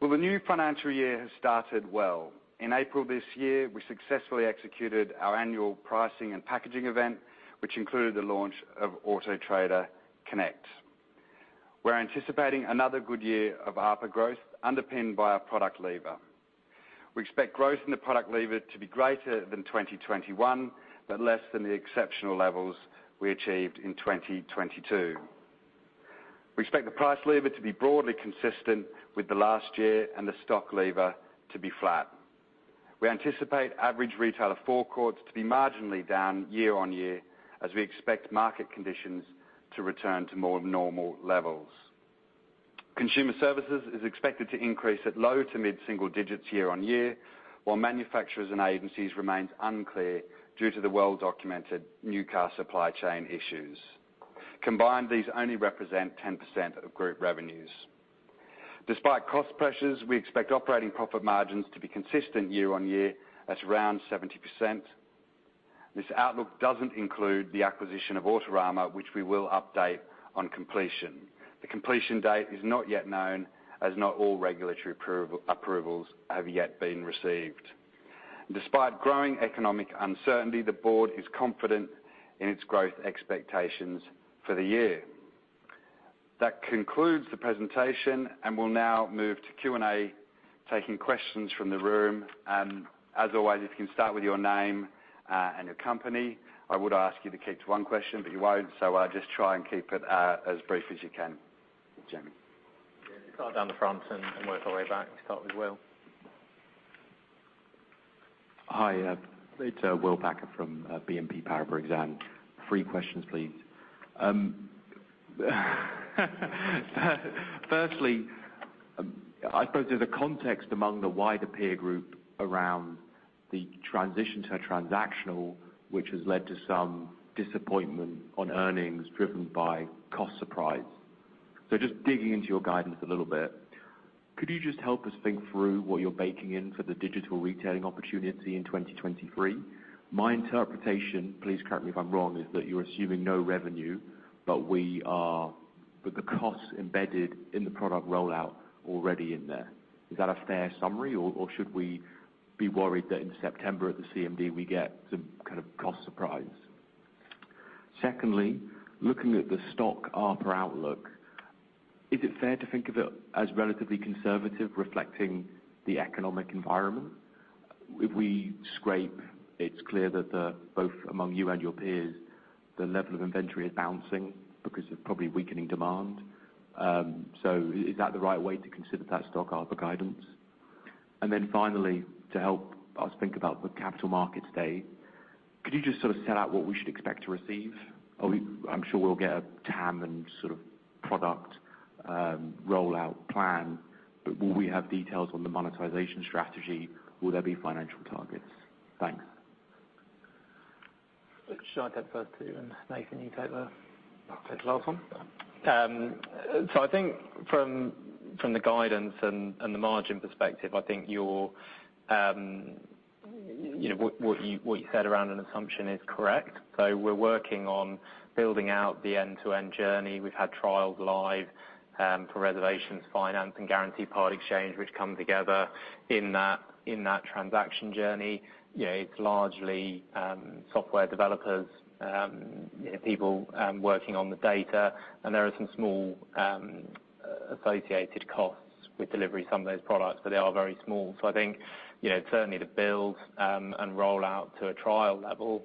Speaker 1: Well, the new financial year has started well. In April this year, we successfully executed our annual pricing and packaging event, which included the launch of Auto Trader Connect. We're anticipating another good year of ARPA growth underpinned by our product lever. We expect growth in the product lever to be greater than 2021, but less than the exceptional levels we achieved in 2022. We expect the price lever to be broadly consistent with the last year and the stock lever to be flat. We anticipate average retailer forecourts to be marginally down year-on-year as we expect market conditions to return to more normal levels. Consumer services is expected to increase at low to mid-single digits year-on-year, while manufacturers and agencies remains unclear due to the well-documented new car supply chain issues. Combined, these only represent 10% of group revenues. Despite cost pressures, we expect operating profit margins to be consistent year on year at around 70%. This outlook doesn't include the acquisition of Autorama, which we will update on completion. The completion date is not yet known as not all regulatory approvals have yet been received. Despite growing economic uncertainty, the board is confident in its growth expectations for the year. That concludes the presentation, and we'll now move to Q&A, taking questions from the room. As always, if you can start with your name and your company. I would ask you to keep to one question, but you won't, so just try and keep it as brief as you can. Jamie.
Speaker 2: Yeah. Start down the front and work our way back. Start with Will.
Speaker 4: Hi. It's Will Packer from BNP Paribas Exane. 3 questions, please. Firstly, I suppose there's a context among the wider peer group around the transition to transactional, which has led to some disappointment on earnings driven by cost surprise. Just digging into your guidance a little bit, could you just help us think through what you're baking in for the digital retailing opportunity in 2023? My interpretation, please correct me if I'm wrong, is that you're assuming no revenue, but the costs embedded in the product rollout already in there. Is that a fair summary, or should we be worried that in September at the CMD, we get some kind of cost surprise? Secondly, looking at the stock ARPA outlook, is it fair to think of it as relatively conservative, reflecting the economic environment? If we scrape, it's clear that both among you and your peers, the level of inventory is bouncing because of probably weakening demand. Is that the right way to consider that stock ARPA guidance? Finally, to help us think about the Capital Markets Day, could you just sort of set out what we should expect to receive? Are we? I'm sure we'll get a TAM and sort of product rollout plan, but will we have details on the monetization strategy? Will there be financial targets? Thanks.
Speaker 2: Shall I take the first two, and Nathan, you take the last one?
Speaker 1: Sure.
Speaker 2: I think from the guidance and the margin perspective, I think what you said around an assumption is correct. We're working on building out the end-to-end journey. We've had trials live for reservations, finance, and Guaranteed Part-Exchange, which come together in that transaction journey. You know, it's largely software developers, you know, people working on the data, and there are some small associated costs with delivery of some of those products, but they are very small. I think, you know, certainly to build and roll out to a trial level,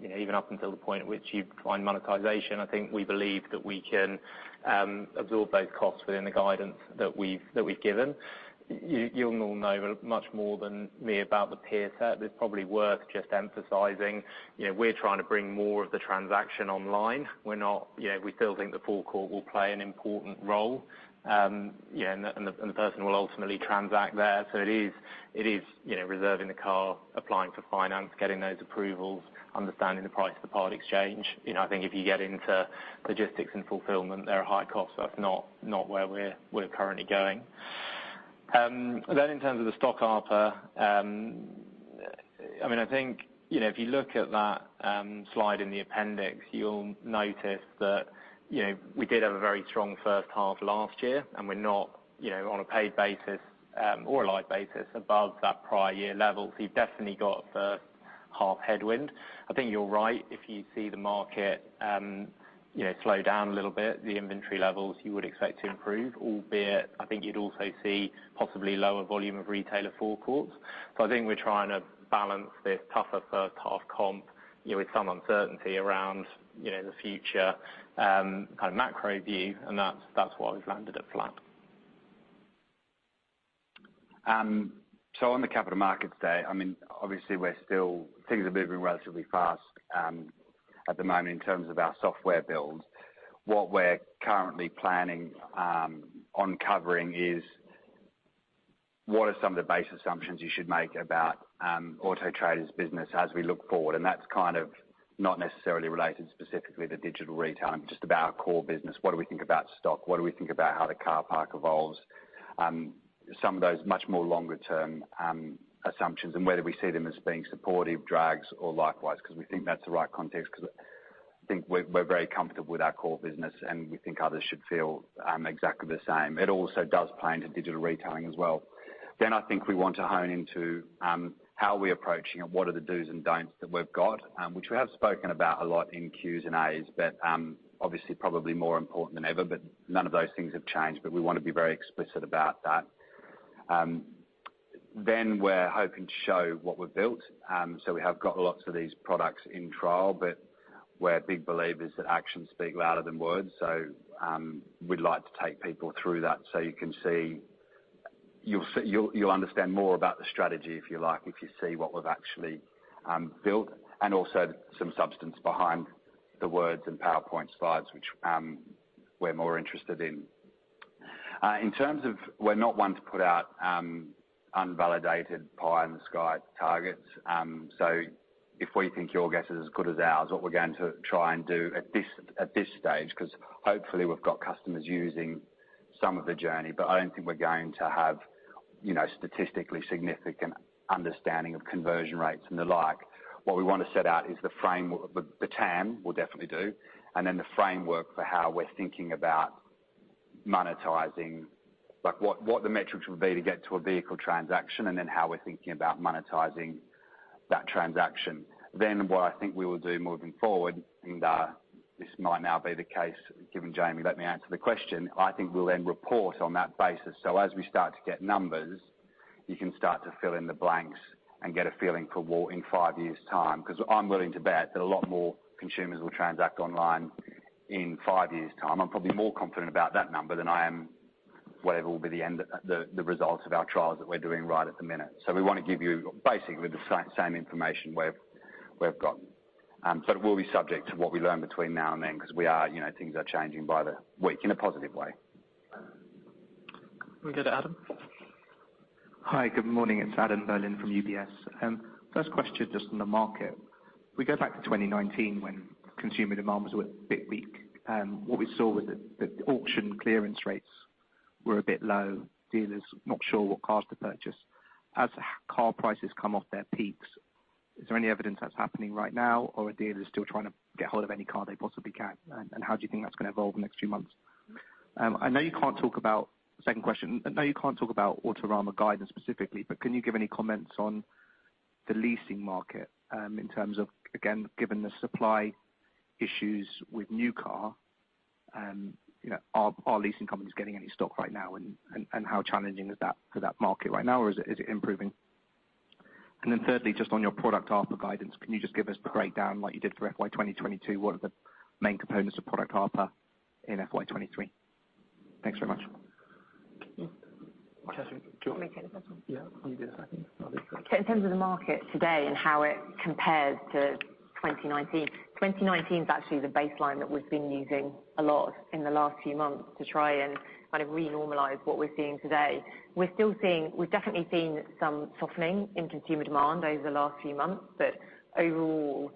Speaker 2: you know, even up until the point at which you find monetization, I think we believe that we can absorb those costs within the guidance that we've given. You'll know much more than me about the peer set. It's probably worth just emphasizing, you know, we're trying to bring more of the transaction online. We're not you know, we still think the forecourt will play an important role. The person will ultimately transact there. It is, you know, reserving the car, applying for finance, getting those approvals, understanding the price of the part exchange. You know, I think if you get into logistics and fulfillment, there are high costs. That's not where we're currently going. In terms of the stock ARPA, I mean, I think, you know, if you look at that slide in the appendix, you'll notice that, you know, we did have a very strong first half last year, and we're not, you know, on a paid basis or a live basis above that prior year level. You've definitely got a first half headwind. I think you're right. If you see the market, you know, slow down a little bit, the inventory levels you would expect to improve, albeit I think you'd also see possibly lower volume of retailer forecourts. I think we're trying to balance this tougher first half comp, you know, with some uncertainty around, you know, the future kind of macro view, and that's why we've landed at flat.
Speaker 1: On the Capital Markets Day, I mean, obviously we're still. Things are moving relatively fast, at the moment in terms of our software build. What we're currently planning on covering is what are some of the base assumptions you should make about, Auto Trader's business as we look forward, and that's kind of not necessarily related specifically to digital retail and just about our core business. What do we think about stock? What do we think about how the car park evolves? Some of those much more longer-term assumptions and whether we see them as being supportive drags or likewise, because we think that's the right context because I think we're very comfortable with our core business, and we think others should feel exactly the same. It also does play into digital retailing as well. I think we want to hone into how we are approaching it. What are the dos and don'ts that we've got? Which we have spoken about a lot in Q&As, but obviously probably more important than ever. None of those things have changed, but we want to be very explicit about that. We're hoping to show what we've built. We have got lots of these products in trial, but we're big believers that actions speak louder than words. We'd like to take people through that so you can see you'll understand more about the strategy, if you like, if you see what we've actually built, and also some substance behind the words and PowerPoint slides which we're more interested in. In terms of we're not one to put out unvalidated pie-in-the-sky targets. If we think your guess is as good as ours, what we're going to try and do at this stage, because hopefully we've got customers using some of the journey. I don't think we're going to have, you know, statistically significant understanding of conversion rates and the like. What we want to set out is the TAM we'll definitely do, and then the framework for how we're thinking about monetizing, like, what the metrics would be to get to a vehicle transaction and then how we're thinking about monetizing that transaction. What I think we will do moving forward, and this might now be the case given Jamie let me answer the question, I think we'll report on that basis. As we start to get numbers, you can start to fill in the blanks and get a feeling for what in five years' time. Because I'm willing to bet that a lot more consumers will transact online in five years' time. I'm probably more confident about that number than I am whatever will be the results of our trials that we're doing right at the minute. We wanna give you basically the same information we've got. But it will be subject to what we learn between now and then because we are, you know, things are changing by the week in a positive way.
Speaker 2: We'll go to Adam.
Speaker 5: Hi. Good morning. It's Adam Berlin from UBS. First question, just on the market. We go back to 2019 when consumer demands were a bit weak, what we saw was that the auction clearance rates were a bit low, dealers not sure what cars to purchase. As car prices come off their peaks, is there any evidence that's happening right now, or are dealers still trying to get hold of any car they possibly can? And how do you think that's gonna evolve in the next few months? I know you can't talk about, second question. I know you can't talk about Autorama guidance specifically, but can you give any comments on the leasing market, in terms of, again, given the supply issues with new car, you know, are leasing companies getting any stock right now and how challenging is that for that market right now, or is it improving? Thirdly, just on your product ARPA guidance, can you just give us the breakdown like you did for FY 2022? What are the main components of product ARPA in FY 2023? Thanks very much.
Speaker 2: Catherine, do you want-
Speaker 3: Do you want me to take the first one?
Speaker 2: Yeah. You did the second.
Speaker 3: In terms of the market today and how it compares to 2019. 2019 is actually the baseline that we've been using a lot in the last few months to try and kind of renormalize what we're seeing today. We've definitely seen some softening in consumer demand over the last few months. Overall,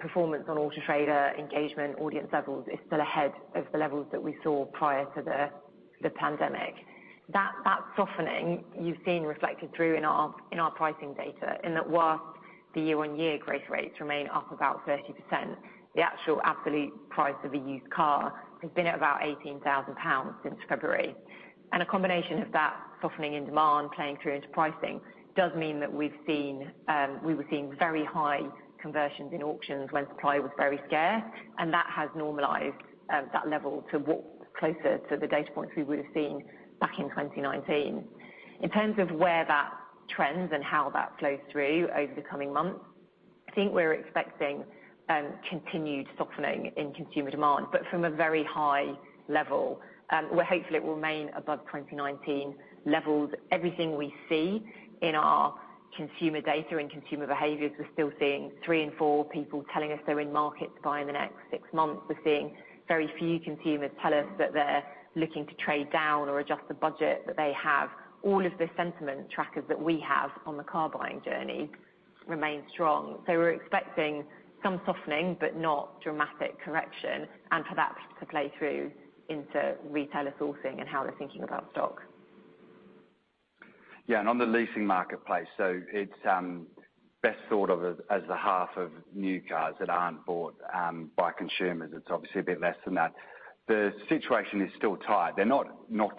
Speaker 3: performance on Auto Trader engagement audience levels is still ahead of the levels that we saw prior to the pandemic. That softening you've seen reflected through in our pricing data, in that while the year-on-year growth rates remain up about 30%, the actual absolute price of a used car has been at about 18,000 pounds since February. A combination of that softening in demand playing through into pricing does mean that we've seen, we were seeing very high conversions in auctions when supply was very scarce, and that has normalized, that level to closer to the data points we would've seen back in 2019. In terms of where that trends and how that flows through over the coming months, I think we're expecting, continued softening in consumer demand, but from a very high level. We're hopeful it will remain above 2019 levels. Everything we see in our consumer data and consumer behaviors, we're still seeing three in four people telling us they're in market to buy in the next six months. We're seeing very few consumers tell us that they're looking to trade down or adjust the budget that they have. All of the sentiment trackers that we have on the car buying journey remain strong. We're expecting some softening but not dramatic correction, and for that to play through into retailer sourcing and how they're thinking about stock.
Speaker 1: On the leasing marketplace, it's best thought of as the half of new cars that aren't bought by consumers. It's obviously a bit less than that. The situation is still tight. They're not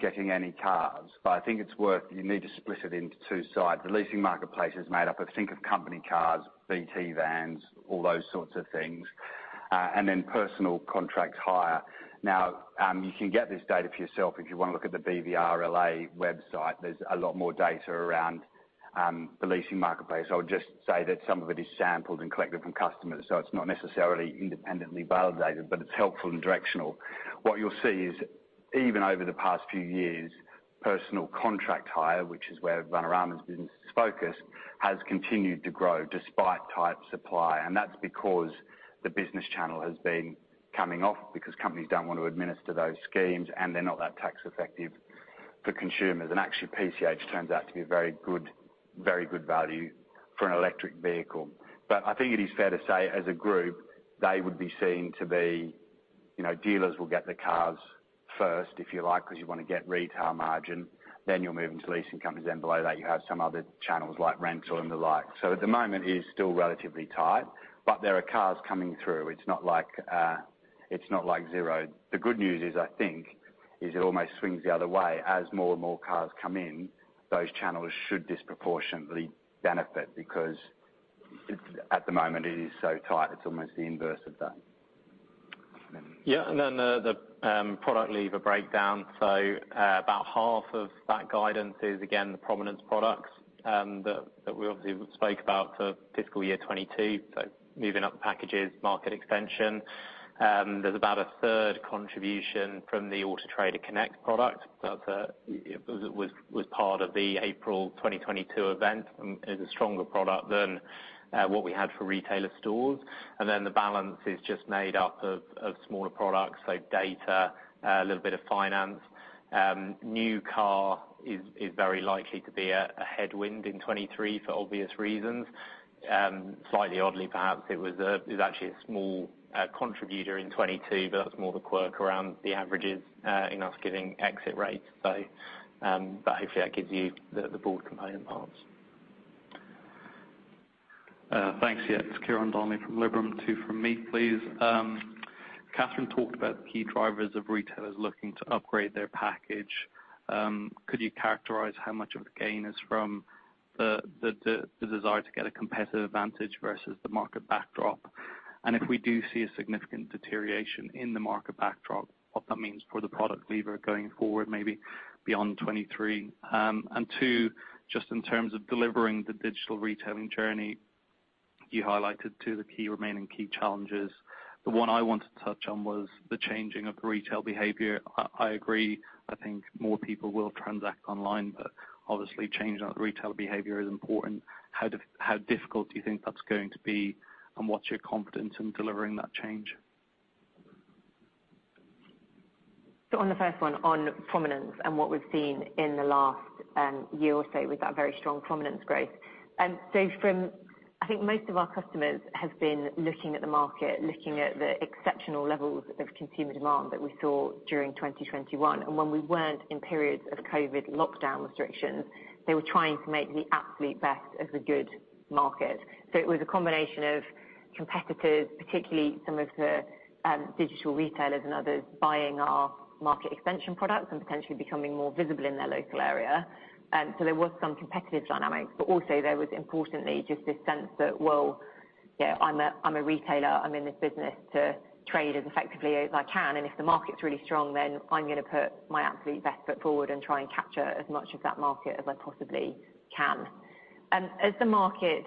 Speaker 1: getting any cars, but I think you need to split it into two sides. The leasing marketplace is made up of think of company cars, BT vans, all those sorts of things, and then personal contract hire. You can get this data for yourself if you wanna look at the BVRLA website. There's a lot more data around the leasing marketplace. I would just say that some of it is sampled and collected from customers, so it's not necessarily independently validated, but it's helpful and directional. What you'll see is even over the past few years, personal contract hire, which is where Vanarama's business is focused, has continued to grow despite tight supply. That's because the business channel has been coming off because companies don't want to administer those schemes, and they're not that tax effective for consumers. Actually, PCH turns out to be a very good value for an electric vehicle. I think it is fair to say as a group, they would be seen to be, you know, dealers will get the cars first, if you like, because you wanna get retail margin, then you're moving to leasing companies. Below that, you have some other channels like rental and the like. At the moment, it is still relatively tight, but there are cars coming through. It's not like, it's not like zero. The good news is, I think it almost swings the other way. As more and more cars come in, those channels should disproportionately benefit because it's, at the moment, so tight. It's almost the inverse of that. Yeah, the product lever breakdown. About half of that guidance is again the prominence products that we obviously spoke about for fiscal year 2022. Moving up the packages, Market Extension. There's about a third contribution from the Auto Trader Connect product. That's it was part of the April 2022 event, and is a stronger product than what we had for Retailer Stores. The balance is just made up of smaller products, so data, a little bit of finance. New car is very likely to be a headwind in 2023 for obvious reasons. Slightly oddly, perhaps it was actually a small contributor in 2022, but that's more the quirk around the averages in using exit rates. Hopefully that gives you the broad component parts.
Speaker 6: Thanks. Yeah, it's Ciarán Donnelly from Liberum. Two from me, please. Catherine talked about the key drivers of retailers looking to upgrade their package. Could you characterize how much of the gain is from the desire to get a competitive advantage versus the market backdrop? If we do see a significant deterioration in the market backdrop, what that means for the product lever going forward, maybe beyond 2023. Two, just in terms of delivering the digital retailing journey, you highlighted two of the key remaining key challenges. The one I wanted to touch on was the changing of retail behavior. I agree. I think more people will transact online, but obviously changing out the retailer behavior is important. How difficult do you think that's going to be, and what's your confidence in delivering that change?
Speaker 3: On the first one, on prominence and what we've seen in the last year or so with that very strong prominence growth. I think most of our customers have been looking at the market, looking at the exceptional levels of consumer demand that we saw during 2021. When we weren't in periods of COVID lockdown restrictions, they were trying to make the absolute best of the good market. It was a combination of competitors, particularly some of the digital retailers and others buying our Market Extension products and potentially becoming more visible in their local area. There was some competitive dynamics, but also there was importantly just this sense that, well, you know, I'm a retailer, I'm in this business to trade as effectively as I can, and if the market's really strong, then I'm gonna put my absolute best foot forward and try and capture as much of that market as I possibly can. As the market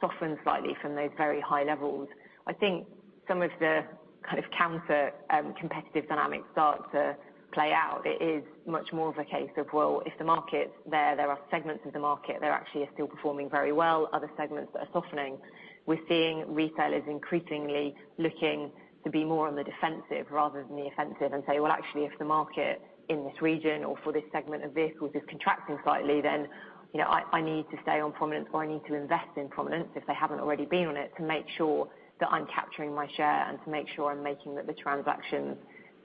Speaker 3: softens slightly from those very high levels, I think some of the kind of counter competitive dynamics start to play out. It is much more of a case of, well, if the market's there are segments of the market that actually are still performing very well, other segments that are softening. We're seeing retailers increasingly looking to be more on the defensive rather than the offensive and say, "Well, actually, if the market in this region or for this segment of vehicles is contracting slightly, then, you know, I need to stay on prominence or I need to invest in prominence if they haven't already been on it, to make sure that I'm capturing my share and to make sure that the transactions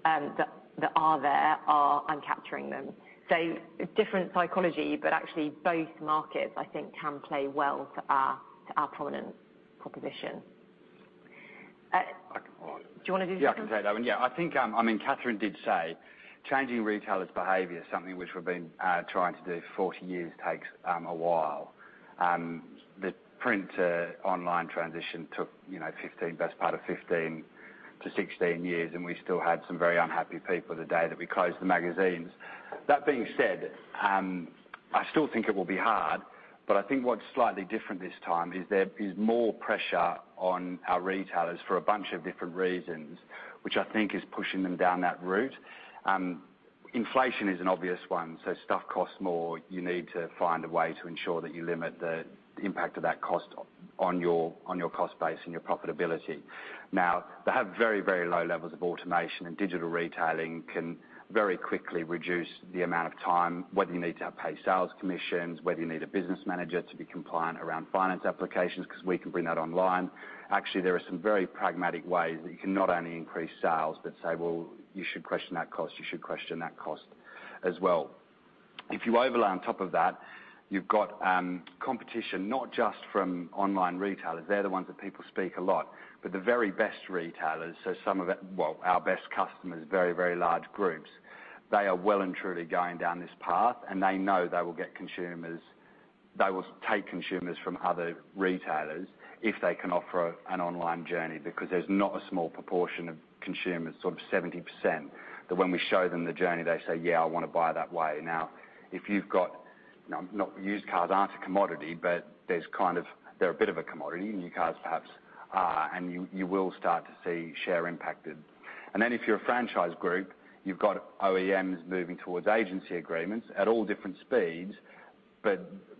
Speaker 3: that are there, I'm capturing them." Different psychology, but actually both markets I think can play well to our prominent proposition.
Speaker 1: I can...
Speaker 3: Do you wanna do this one?
Speaker 1: Yeah, I can take that one. Yeah, I think, I mean, Catherine did say changing retailers' behavior is something which we've been trying to do for 40 years. It takes a while. The print to online transition took, you know, 15, best part of 15 to 16 years, and we still had some very unhappy people the day that we closed the magazines. That being said, I still think it will be hard, but I think what's slightly different this time is there is more pressure on our retailers for a bunch of different reasons, which I think is pushing them down that route. Inflation is an obvious one, so stuff costs more. You need to find a way to ensure that you limit the impact of that cost on your cost base and your profitability. Now, they have very, very low levels of automation, and digital retailing can very quickly reduce the amount of time, whether you need to have paid sales commissions, whether you need a business manager to be compliant around finance applications, because we can bring that online. Actually, there are some very pragmatic ways that you can not only increase sales but say, "Well, you should question that cost. You should question that cost as well." If you overlay on top of that, you've got, competition not just from online retailers, they're the ones that people speak a lot. The very best retailers, so some of it, well, our best customers, very, very large groups, they are well and truly going down this path, and they know they will get consumers, they will take consumers from other retailers if they can offer an online journey because there's not a small proportion of consumers, sort of 70%, that when we show them the journey, they say, "Yeah, I wanna buy that way." Now, not used cars aren't a commodity, but there's kind of, they're a bit of a commodity. New cars perhaps are, and you will start to see share impacted. If you're a franchise group, you've got OEMs moving towards agency agreements at all different speeds.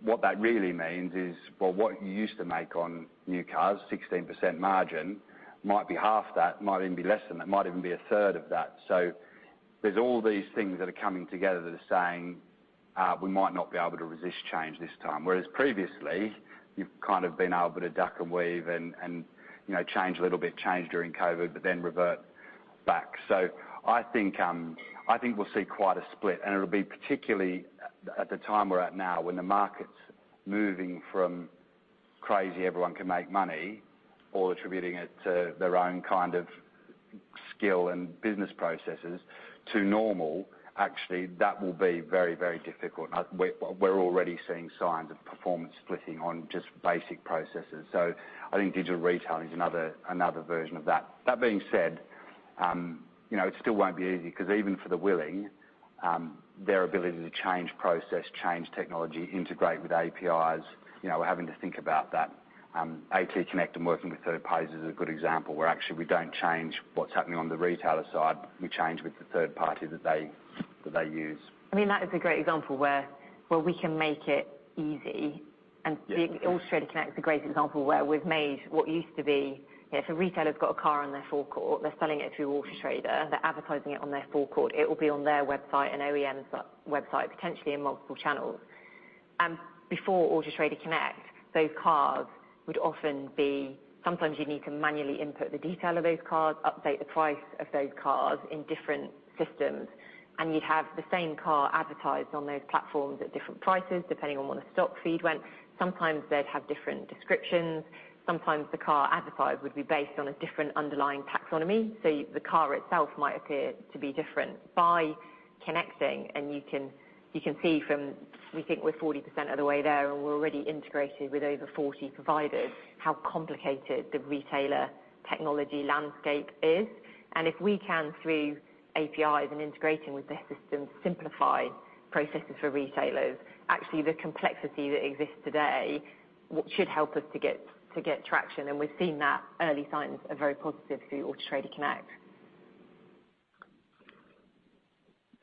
Speaker 1: What that really means is, well, what you used to make on new cars, 16% margin, might be half that, might even be less than that, might even be a third of that. There's all these things that are coming together that are saying, we might not be able to resist change this time. Whereas previously, you've kind of been able to duck and weave and, you know, change a little bit, change during COVID, but then revert back. I think we'll see quite a split, and it'll be particularly at the time we're at now when the market's moving from crazy everyone can make money, all attributing it to their own kind of skill and business processes, to normal. Actually, that will be very, very difficult. We're already seeing signs of performance splitting on just basic processes. I think digital retailing is another version of that. That being said, You know, it still won't be easy because even for the willing, their ability to change process, change technology, integrate with APIs, you know, we're having to think about that. AT Connect and working with third parties is a good example where actually we don't change what's happening on the retailer side, we change with the third party that they use.
Speaker 3: I mean, that is a great example where we can make it easy.
Speaker 2: Yeah.
Speaker 3: The Auto Trader Connect is a great example where we've made what used to be. If a retailer's got a car on their forecourt, they're selling it through Auto Trader, they're advertising it on their forecourt, it will be on their website, an OEM's website, potentially in multiple channels. Before Auto Trader Connect, those cars would often be sometimes you need to manually input the detail of those cars, update the price of those cars in different systems, and you'd have the same car advertised on those platforms at different prices, depending on when the stock feed went. Sometimes they'd have different descriptions, sometimes the car advertised would be based on a different underlying taxonomy. The car itself might appear to be different. By connecting, you can see from we think we're 40% of the way there, and we're already integrated with over 40 providers, how complicated the retailer technology landscape is. If we can, through APIs and integrating with their systems, simplify processes for retailers, actually the complexity that exists today, what should help us to get traction. We've seen that early signs are very positive through Auto Trader Connect.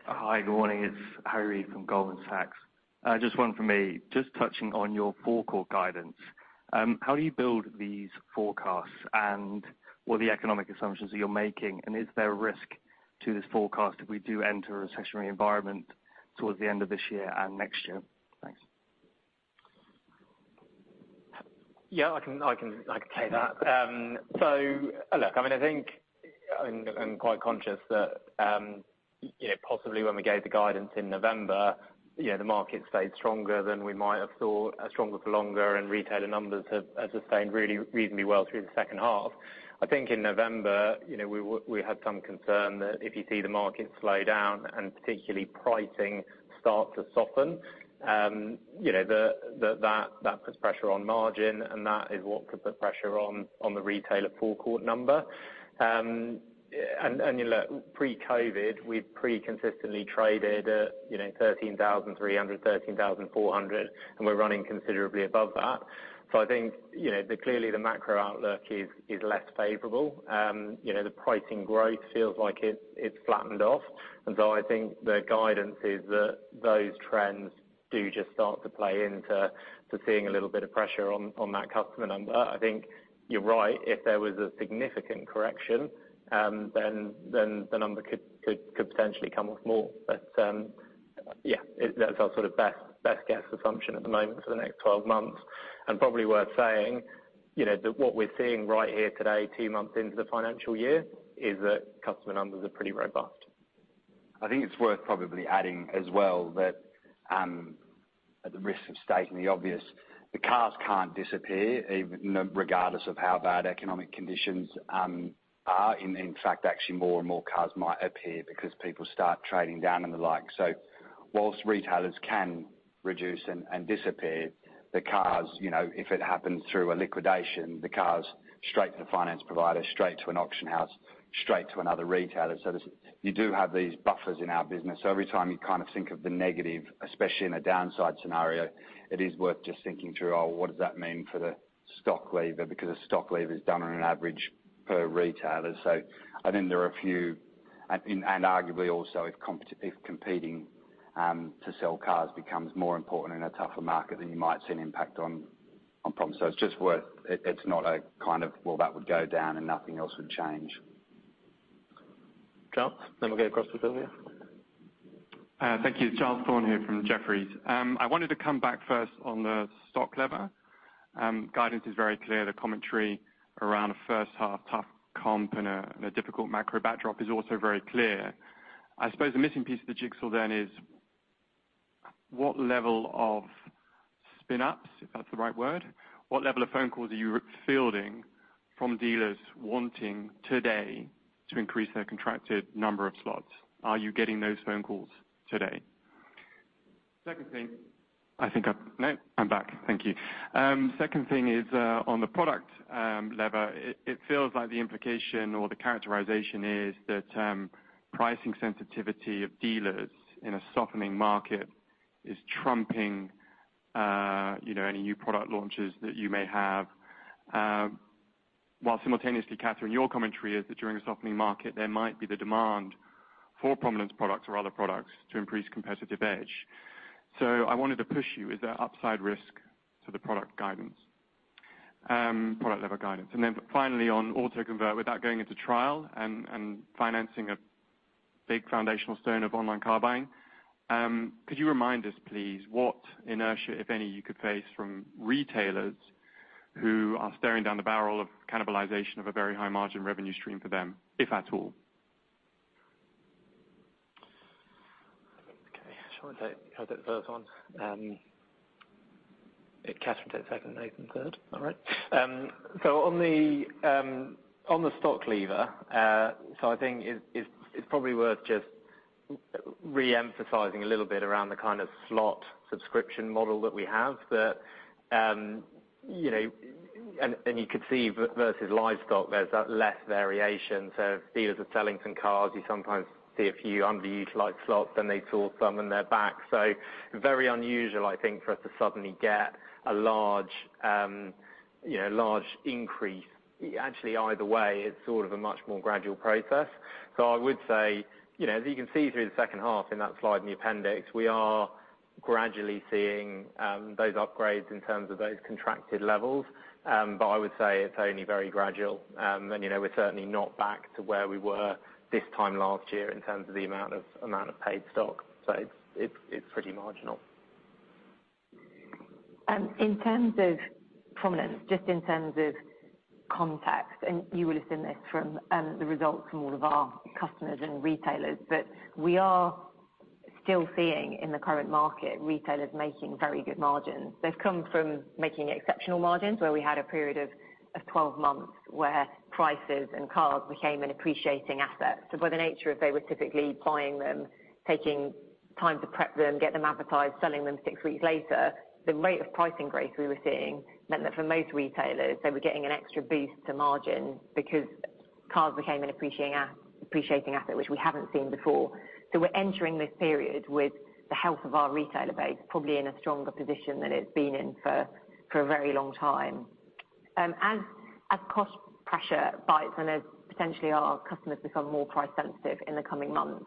Speaker 7: Hi, good morning. It's Harry from Goldman Sachs. Just one from me. Just touching on your forecourt guidance. How do you build these forecasts and what are the economic assumptions that you're making? Is there risk to this forecast if we do enter a recessionary environment towards the end of this year and next year? Thanks.
Speaker 2: Yeah, I can take that. So look, I mean, I think I'm quite conscious that, you know, possibly when we gave the guidance in November, you know, the market stayed stronger than we might have thought, stronger for longer, and retailer numbers have sustained really reasonably well through the second half. I think in November, you know, we had some concern that if you see the market slow down and particularly pricing start to soften, you know, that puts pressure on margin, and that is what could put pressure on the retailer forecourt number. You know, look, pre-COVID, we've consistently traded at, you know, 13,300, 13,400, and we're running considerably above that. I think, you know, clearly the macro outlook is less favorable. You know, the pricing growth feels like it's flattened off. I think the guidance is that those trends do just start to play into seeing a little bit of pressure on that customer number. I think you're right. If there was a significant correction, then the number could potentially come off more. Yeah, that's our sort of best guess assumption at the moment for the next 12 months. Probably worth saying, you know, that what we're seeing right here today, two months into the financial year, is that customer numbers are pretty robust.
Speaker 1: I think it's worth probably adding as well that, at the risk of stating the obvious, the cars can't disappear even, you know, regardless of how bad economic conditions are. In fact, actually more and more cars might appear because people start trading down and the like. While retailers can reduce and disappear, the cars, you know, if it happens through a liquidation, the cars straight to the finance provider, straight to an auction house, straight to another retailer. You do have these buffers in our business. Every time you kind of think of the negative, especially in a downside scenario, it is worth just thinking through, oh, what does that mean for the stock level? Because a stock level is done on an average per retailer. I think there are a few. Arguably also, if competing to sell cars becomes more important in a tougher market, then you might see an impact on Prom. It's not a kind of, well, that would go down and nothing else would change.
Speaker 2: Giles, then we'll get across to Silvia.
Speaker 8: Thank you. Giles Thorne here from Jefferies. I wanted to come back first on the stock lever. Guidance is very clear. The commentary around a first half tough comp and a difficult macro backdrop is also very clear. I suppose the missing piece of the jigsaw then is what level of sign-ups, if that's the right word, what level of phone calls are you fielding from dealers wanting today to increase their contracted number of slots? Are you getting those phone calls today? Secondly, second thing is, on the product lever. It feels like the implication or the characterization is that, pricing sensitivity of dealers in a softening market is trumping, you know, any new product launches that you may have. While simultaneously, Catherine, your commentary is that during a softening market, there might be the demand for Prominence products or other products to increase competitive edge. I wanted to push you. Is there upside risk to the product guidance, product level guidance? Then finally on AutoConvert, without going into trial and financing a big foundational stone of online car buying, could you remind us, please, what inertia, if any, you could face from retailers who are staring down the barrel of cannibalization of a very high margin revenue stream for them, if at all?
Speaker 2: Okay. Shall I take, I'll take the first one. Catherine take second, Nathan third. All right? On the stock level, so I think it's probably worth just Reemphasizing a little bit around the kind of slot subscription model that we have that you know and you could see versus live stock, there's less variation. Dealers are selling some cars. You sometimes see a few underutilized slots, then they source them and they're back. Very unusual, I think, for us to suddenly get a large you know large increase. Actually, either way, it's sort of a much more gradual process. I would say you know as you can see through the second half in that slide in the appendix, we are gradually seeing those upgrades in terms of those contracted levels. I would say it's only very gradual. You know, we're certainly not back to where we were this time last year in terms of the amount of paid stock. It's pretty marginal.
Speaker 3: In terms of prominence, just in terms of context, and you will have seen this from the results from all of our customers and retailers, but we are still seeing in the current market retailers making very good margins. They've come from making exceptional margins, where we had a period of 12 months where prices and cars became an appreciating asset. By the nature of they were typically buying them, taking time to prep them, get them advertised, selling them 6 weeks later, the rate of pricing grace we were seeing meant that for most retailers, they were getting an extra boost to margin because cars became an appreciating asset, which we haven't seen before. We're entering this period with the health of our retailer base probably in a stronger position than it's been in for a very long time. As cost pressure bites and as potentially our customers become more price sensitive in the coming months,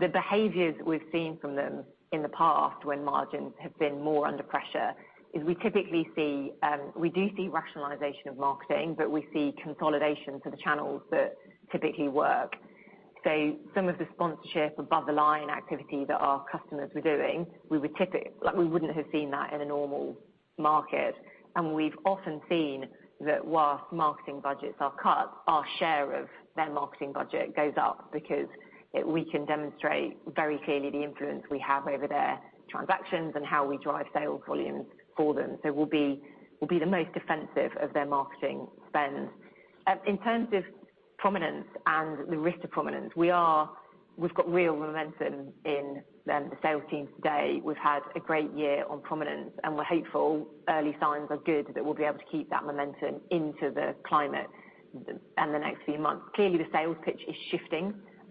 Speaker 3: the behaviors we've seen from them in the past when margins have been more under pressure is we typically see rationalization of marketing, but we see consolidation to the channels that typically work. Some of the sponsorship above the line activity that our customers were doing, we would, like, we wouldn't have seen that in a normal market. We've often seen that whilst marketing budgets are cut, our share of their marketing budget goes up because it, we can demonstrate very clearly the influence we have over their transactions and how we drive sales volumes for them. We'll be the most defensive of their marketing spend. In terms of prominence and the risk to prominence, we've got real momentum in the sales team today. We've had a great year on prominence, and we're hopeful early signs are good that we'll be able to keep that momentum into the climate and the next few months. Clearly, the sales pitch is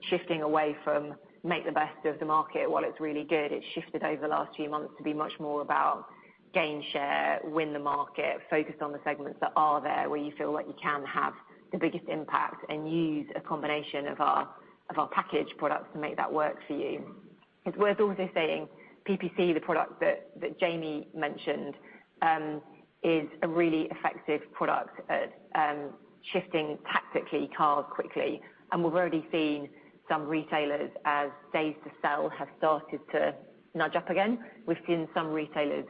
Speaker 3: shifting away from make the best of the market while it's really good. It's shifted over the last few months to be much more about gain share, win the market, focus on the segments that are there, where you feel like you can have the biggest impact and use a combination of our package products to make that work for you. It's worth also saying PPC, the product that Jamie mentioned, is a really effective product at shifting tactically cars quickly. We've already seen some retailers as days to sell have started to nudge up again. We've seen some retailers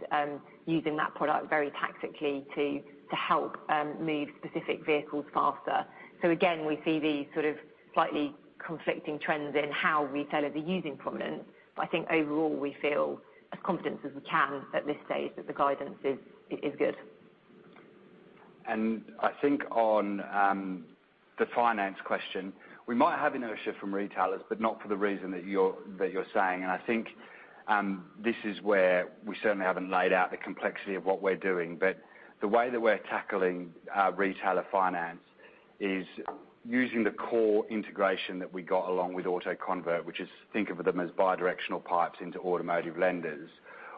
Speaker 3: using that product very tactically to help move specific vehicles faster. Again, we see these sort of slightly conflicting trends in how retailers are using prominence. I think overall we feel as confident as we can at this stage that the guidance is good.
Speaker 1: I think on the finance question, we might have inertia from retailers, but not for the reason that you're saying. I think this is where we certainly haven't laid out the complexity of what we're doing. The way that we're tackling our retailer finance is using the core integration that we got along with AutoConvert, which is think of them as bidirectional pipes into automotive lenders.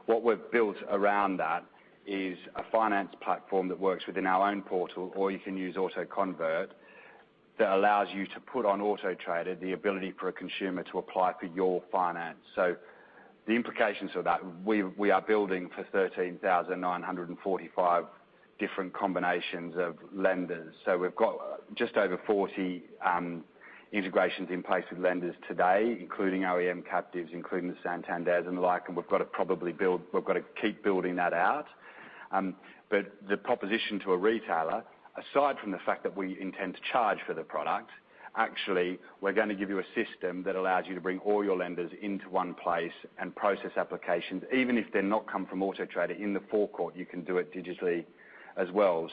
Speaker 1: What we've built around that is a finance platform that works within our own portal, or you can use AutoConvert, that allows you to put on Auto Trader the ability for a consumer to apply for your finance. The implications of that, we are building for 13,945 different combinations of lenders. We've got just over 40 integrations in place with lenders today, including OEM captives, including the Santander and the like. We've got to keep building that out. But the proposition to a retailer, aside from the fact that we intend to charge for the product, actually, we're going to give you a system that allows you to bring all your lenders into one place and process applications, even if they've not come from Auto Trader. In the forecourt, you can do it digitally as well.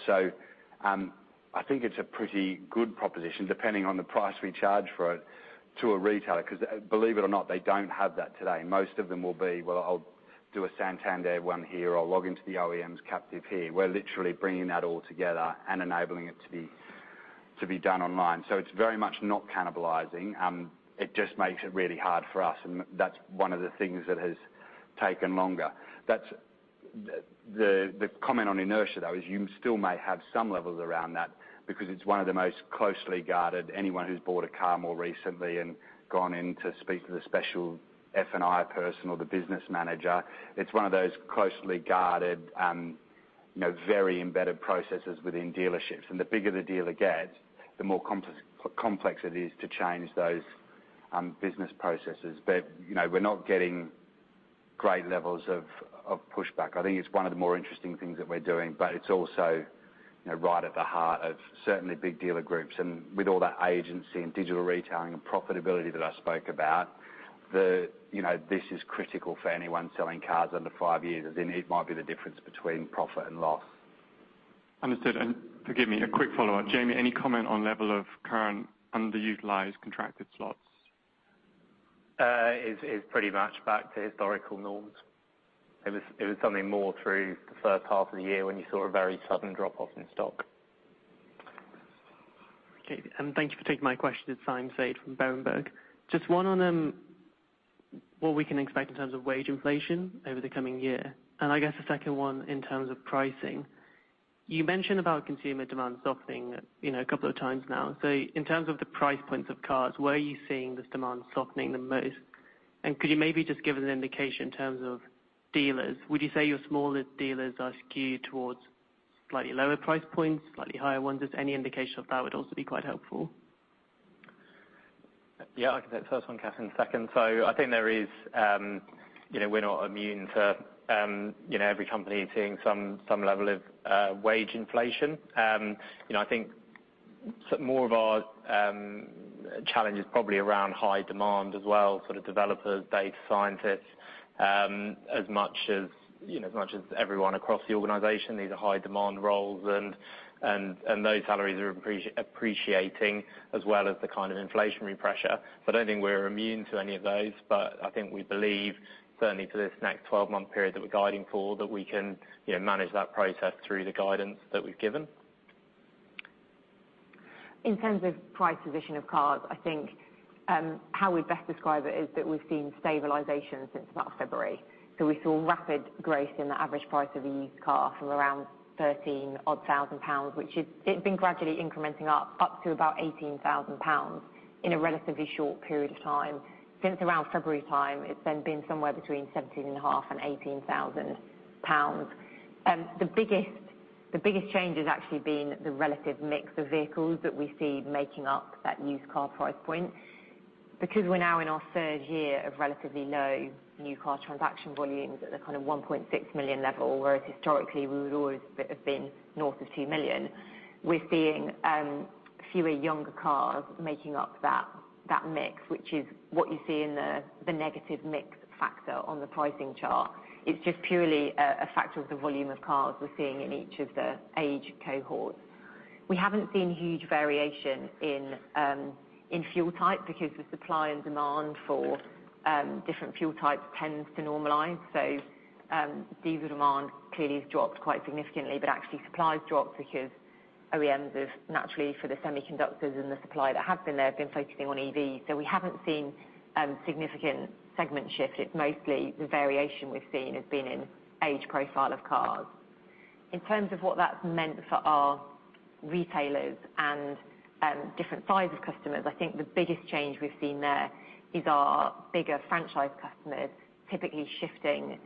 Speaker 1: I think it's a pretty good proposition depending on the price we charge for it to a retailer because believe it or not, they don't have that today. Most of them will be, "Well, I'll do a Santander one here. I'll log into the OEM's captive here." We're literally bringing that all together and enabling it to be done online. It's very much not cannibalizing. It just makes it really hard for us, and that's one of the things that has taken longer. That's the comment on inertia, though, is you still may have some levels around that because it's one of the most closely guarded. Anyone who's bought a car more recently and gone in to speak to the special F&I person or the business manager, it's one of those closely guarded, very embedded processes within dealerships. The bigger the dealer gets, the more complex it is to change those business processes. We're not getting great levels of pushback. I think it's one of the more interesting things that we're doing, but it's also, you know, right at the heart of certainly big dealer groups. With all that agency and digital retailing and profitability that I spoke about, the, you know, this is critical for anyone selling cars under five years, as in it might be the difference between profit and loss.
Speaker 8: Understood. Forgive me, a quick follow-up. Jamie, any comment on level of current underutilized contracted slots?
Speaker 2: It's pretty much back to historical norms. It was something more through the first half of the year when you saw a very sudden drop-off in stock.
Speaker 9: Okay, thank you for taking my question. It's Simon Foote from Berenberg. Just one on what we can expect in terms of wage inflation over the coming year, and I guess a second one in terms of pricing. You mentioned about consumer demand softening, you know, a couple of times now. In terms of the price points of cars, where are you seeing this demand softening the most? And could you maybe just give an indication in terms of dealers? Would you say your smaller dealers are skewed towards slightly lower price points, slightly higher ones? Just any indication of that would also be quite helpful.
Speaker 2: Yeah, I can take the first one, Catherine second. I think there is, you know, we're not immune to, you know, every company seeing some level of wage inflation. You know, I think more of our challenge is probably around high demand as well, sort of developers, data scientists, as much as, you know, as much as everyone across the organization, these are high demand roles and those salaries are appreciating as well as the kind of inflationary pressure. I don't think we're immune to any of those. I think we believe certainly for this next 12-month period that we're guiding for, that we can, you know, manage that process through the guidance that we've given.
Speaker 3: In terms of price position of cars, I think how we best describe it is that we've seen stabilization since about February. We saw rapid growth in the average price of a used car from around 13,000 pounds, it had been gradually incrementing up to about 18,000 pounds in a relatively short period of time. Since around February time, it's then been somewhere between 17,500 and 18,000 pounds. The biggest change has actually been the relative mix of vehicles that we see making up that used car price point. Because we're now in our third year of relatively low new car transaction volumes at the kind of 1.6 million level, whereas historically we would always have been north of 2 million, we're seeing fewer younger cars making up that mix, which is what you see in the negative mix factor on the pricing chart. It's just purely a factor of the volume of cars we're seeing in each of the age cohorts. We haven't seen huge variation in fuel type because the supply and demand for different fuel types tends to normalize. Diesel demand clearly has dropped quite significantly, but actually supply has dropped because OEMs have naturally, for the semiconductors and the supply that have been there, have been focusing on EVs. We haven't seen significant segment shift. It's mostly the variation we've seen has been in age profile of cars. In terms of what that's meant for our retailers and different size of customers, I think the biggest change we've seen there is our bigger franchise customers typically shifting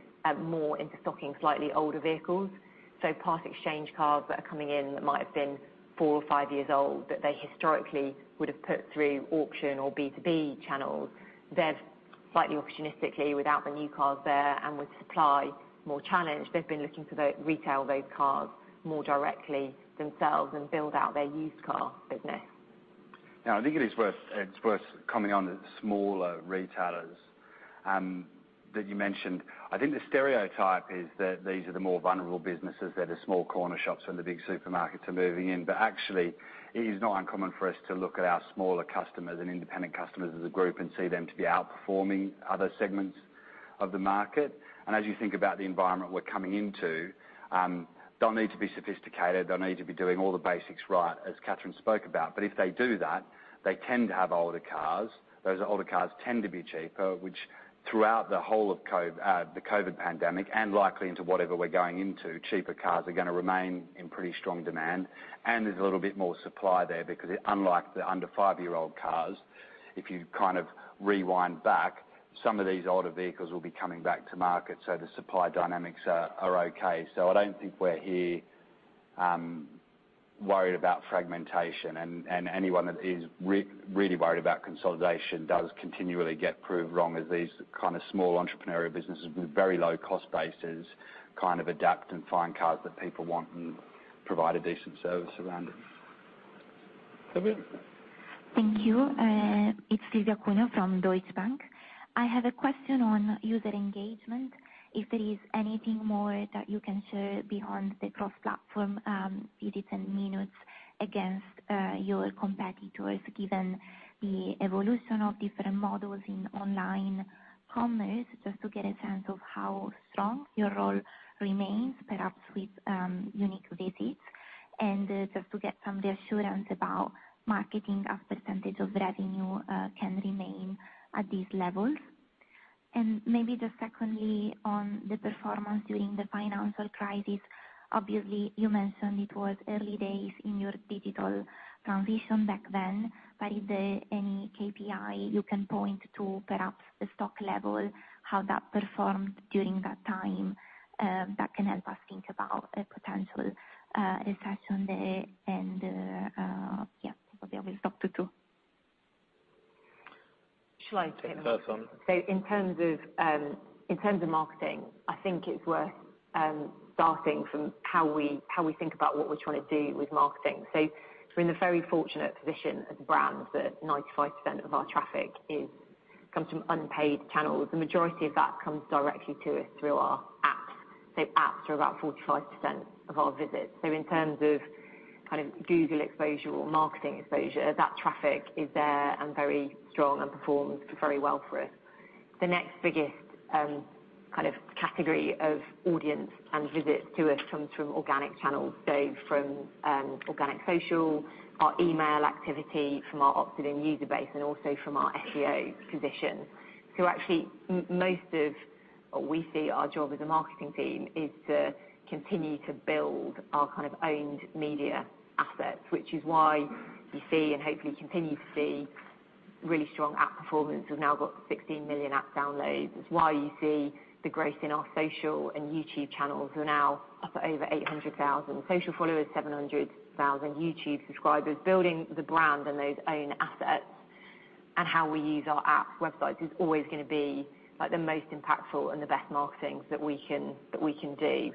Speaker 3: more into stocking slightly older vehicles. Part-exchange cars that are coming in that might have been four or five years old that they historically would have put through auction or B2B channels, they've slightly opportunistically, without the new cars there and with supply more challenged, they've been looking to retail those cars more directly themselves and build out their used car business.
Speaker 1: Now, I think it is worth, it's worth coming on to the smaller retailers, that you mentioned. I think the stereotype is that these are the more vulnerable businesses, they're the small corner shops, and the big supermarkets are moving in. Actually, it is not uncommon for us to look at our smaller customers and independent customers as a group and see them to be outperforming other segments of the market. As you think about the environment we're coming into, they'll need to be sophisticated, they'll need to be doing all the basics right, as Catherine spoke about. If they do that, they tend to have older cars. Those older cars tend to be cheaper, which throughout the whole of the COVID pandemic and likely into whatever we're going into, cheaper cars are gonna remain in pretty strong demand. There's a little bit more supply there because unlike the under five-year-old cars, if you kind of rewind back, some of these older vehicles will be coming back to market. The supply dynamics are okay. I don't think we're here worried about fragmentation. Anyone that is really worried about consolidation does continually get proved wrong as these kind of small entrepreneurial businesses with very low cost bases kind of adapt and find cars that people want and provide a decent service around it.
Speaker 2: Silvia?
Speaker 10: Thank you. It's Silvia Cuneo from Deutsche Bank. I have a question on user engagement. If there is anything more that you can share beyond the cross-platform visits and minutes against your competitors, given the evolution of different models in online commerce, just to get a sense of how strong your role remains, perhaps with unique visits. Just to get some reassurance about marketing as percentage of revenue can remain at these levels. Maybe just secondly, on the performance during the financial crisis, obviously you mentioned it was early days in your digital transition back then, but is there any KPI you can point to, perhaps the stock level, how that performed during that time, that can help us think about a potential recession there. Yeah, probably I will stop at two.
Speaker 3: Shall I take that?
Speaker 2: Take the first one.
Speaker 3: In terms of marketing, I think it's worth starting from how we think about what we're trying to do with marketing. We're in the very fortunate position as a brand that 95% of our traffic comes from unpaid channels. The majority of that comes directly to us through our apps. Apps are about 45% of our visits. In terms of kind of Google exposure or marketing exposure, that traffic is there and very strong and performs very well for us. The next biggest kind of category of audience and visits to us comes from organic channels, from organic social, our email activity from our opted-in user base, and also from our SEO position. Actually most of what we see our job as a marketing team is to continue to build our kind of owned media assets, which is why you see, and hopefully continue to see really strong app performance. We've now got 16 million app downloads. It's why you see the growth in our social and YouTube channels, who are now up at over 800,000 social followers, 700,000 YouTube subscribers. Building the brand and those own assets and how we use our apps, websites is always gonna be like the most impactful and the best marketing that we can do.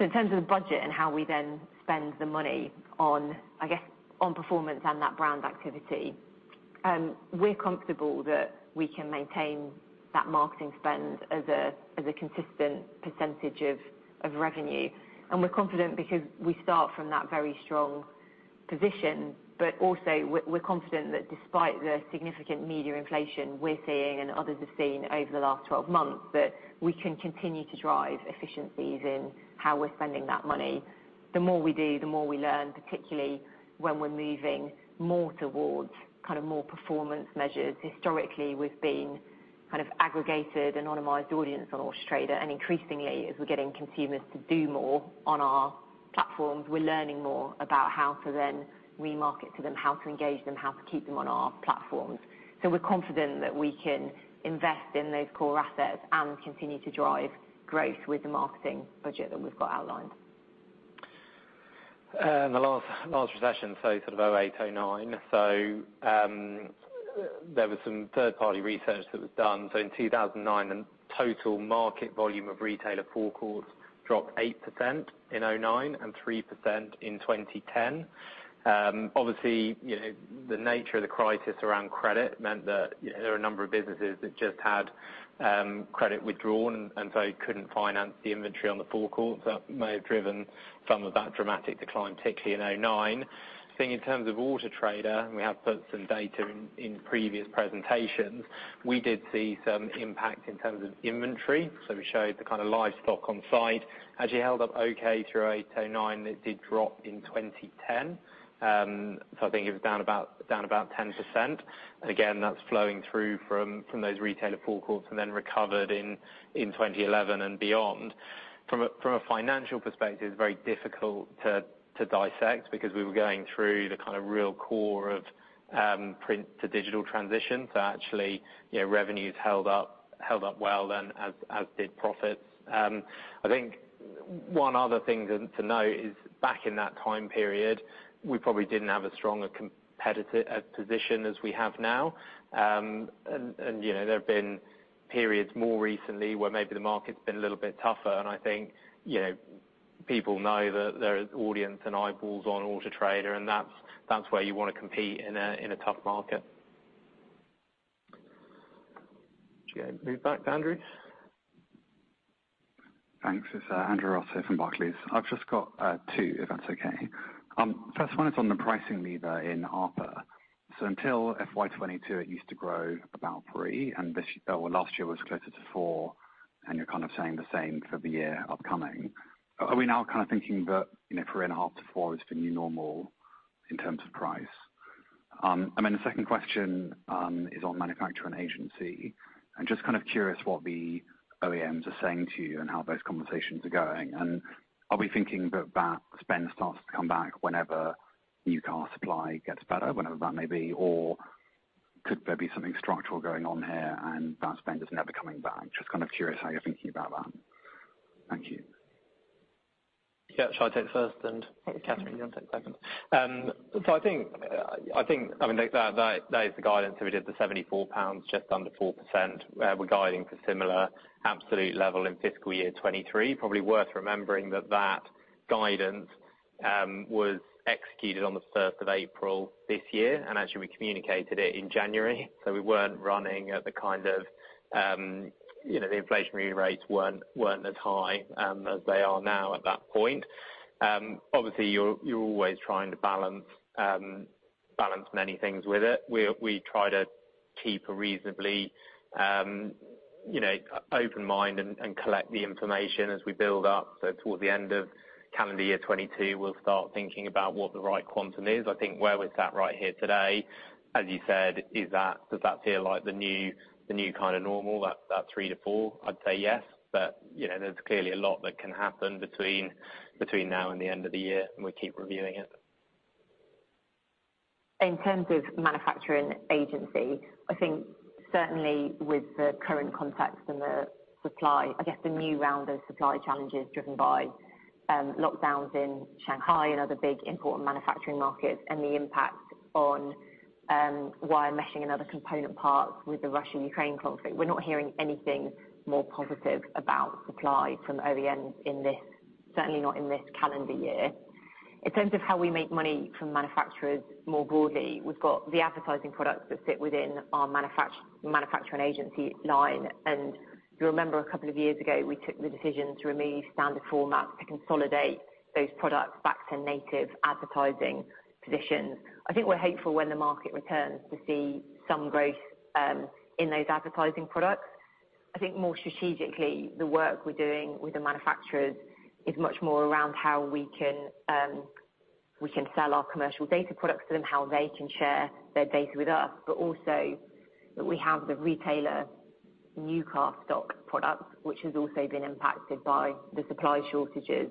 Speaker 3: In terms of the budget and how we then spend the money on, I guess, on performance and that brand activity, we're comfortable that we can maintain that marketing spend as a consistent percentage of revenue. We're confident because we start from that very strong position, but also we're confident that despite the significant media inflation we're seeing and others have seen over the last 12 months, that we can continue to drive efficiencies in how we're spending that money. The more we do, the more we learn, particularly when we're moving more towards kind of more performance measures. Historically, we've been kind of aggregated anonymized audience on Auto Trader, and increasingly as we're getting consumers to do more on our platforms, we're learning more about how to then re-market to them, how to engage them, how to keep them on our platforms. We're confident that we can invest in those core assets and continue to drive growth with the marketing budget that we've got outlined.
Speaker 2: In the last recession, sort of 2008, 2009, there was some third-party research that was done. In 2009, the total market volume of retailer forecourts dropped 8% in 2009 and 3% in 2010. Obviously, you know, the nature of the crisis around credit meant that, you know, there were a number of businesses that just had credit withdrawn and so couldn't finance the inventory on the forecourts. That may have driven some of that dramatic decline, particularly in 2009. I think in terms of Auto Trader, and we have put some data in previous presentations, we did see some impact in terms of inventory. We showed the kind of stock levels on site actually held up okay through 2008, 2009. It did drop in 2010. I think it was down about 10%. Again, that's flowing through from those retailer forecourts and then recovered in 2011 and beyond. From a financial perspective, it's very difficult to dissect because we were going through the kind of real core of print to digital transition. Actually, you know, revenues held up well then as did profits. I think one other thing to note is back in that time period, we probably didn't have as strong a competitive position as we have now. You know, there have been periods more recently where maybe the market's been a little bit tougher and I think, you know, people know that there are audience and eyeballs on Auto Trader, and that's where you wanna compete in a tough market. Do you move back to Andrew?
Speaker 11: Thanks. It's Andrew Ross here from Barclays. I've just got two if that's okay. First one is on the pricing lever in ARPR. Until FY 2022 it used to grow about 3%, and well, last year was closer to 4%, and you're kind of saying the same for the year upcoming. Are we now kind of thinking that, you know, 3.5%-4% is the new normal in terms of price? And then the second question is on manufacturer and agency. I'm just kind of curious what the OEMs are saying to you and how those conversations are going. Are we thinking that that spend starts to come back whenever new car supply gets better, whenever that may be? Or could there be something structural going on here and that spend is never coming back? Just kind of curious how you're thinking about that. Thank you.
Speaker 2: Yeah. Shall I take first and Catherine you want to take second? I think, I mean, that is the guidance that we did, 74 pounds just under 4%, we're guiding for similar absolute level in fiscal year 2023. Probably worth remembering that that guidance was executed on the third of April this year, and actually we communicated it in January, so we weren't running at the kind of, you know, the inflation rates weren't as high as they are now at that point. Obviously you're always trying to balance many things with it. We try to keep a reasonably, you know, open mind and collect the information as we build up. Towards the end of calendar year 2022, we'll start thinking about what the right quantum is. I think where we're sat right here today, as you said, is that, does that feel like the new kind of normal, that 3-4? I'd say yes. You know, there's clearly a lot that can happen between now and the end of the year, and we keep reviewing it.
Speaker 3: In terms of manufacturing agency, I think certainly with the current context and the supply, I guess the new round of supply challenges driven by lockdowns in Shanghai and other big important manufacturing markets and the impact on wiring harnesses and other component parts with the Russia-Ukraine conflict, we're not hearing anything more positive about supply from OEM in this, certainly not in this calendar year. In terms of how we make money from manufacturers more broadly, we've got the advertising products that sit within our manufacturing agency line. If you remember a couple of years ago, we took the decision to remove standard format to consolidate those products back to native advertising positions. I think we're hopeful when the market returns to see some growth in those advertising products. I think more strategically, the work we're doing with the manufacturers is much more around how we can sell our commercial data products to them, how they can share their data with us. Also that we have the retailer new car stock product, which has also been impacted by the supply shortages.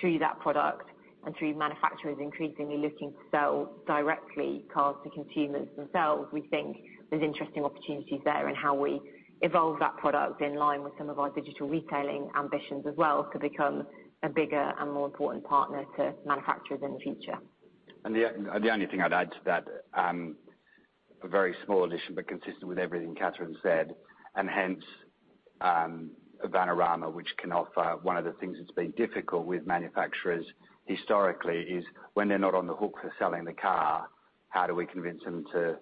Speaker 3: Through that product and through manufacturers increasingly looking to sell directly cars to consumers themselves, we think there's interesting opportunities there in how we evolve that product in line with some of our digital retailing ambitions as well to become a bigger and more important partner to manufacturers in the future.
Speaker 1: The only thing I'd add to that, a very small addition, but consistent with everything Catherine's said, and hence ownership of Vanarama, which can offer one of the things that's been difficult with manufacturers historically is when they're not on the hook for selling the car, how do we convince them to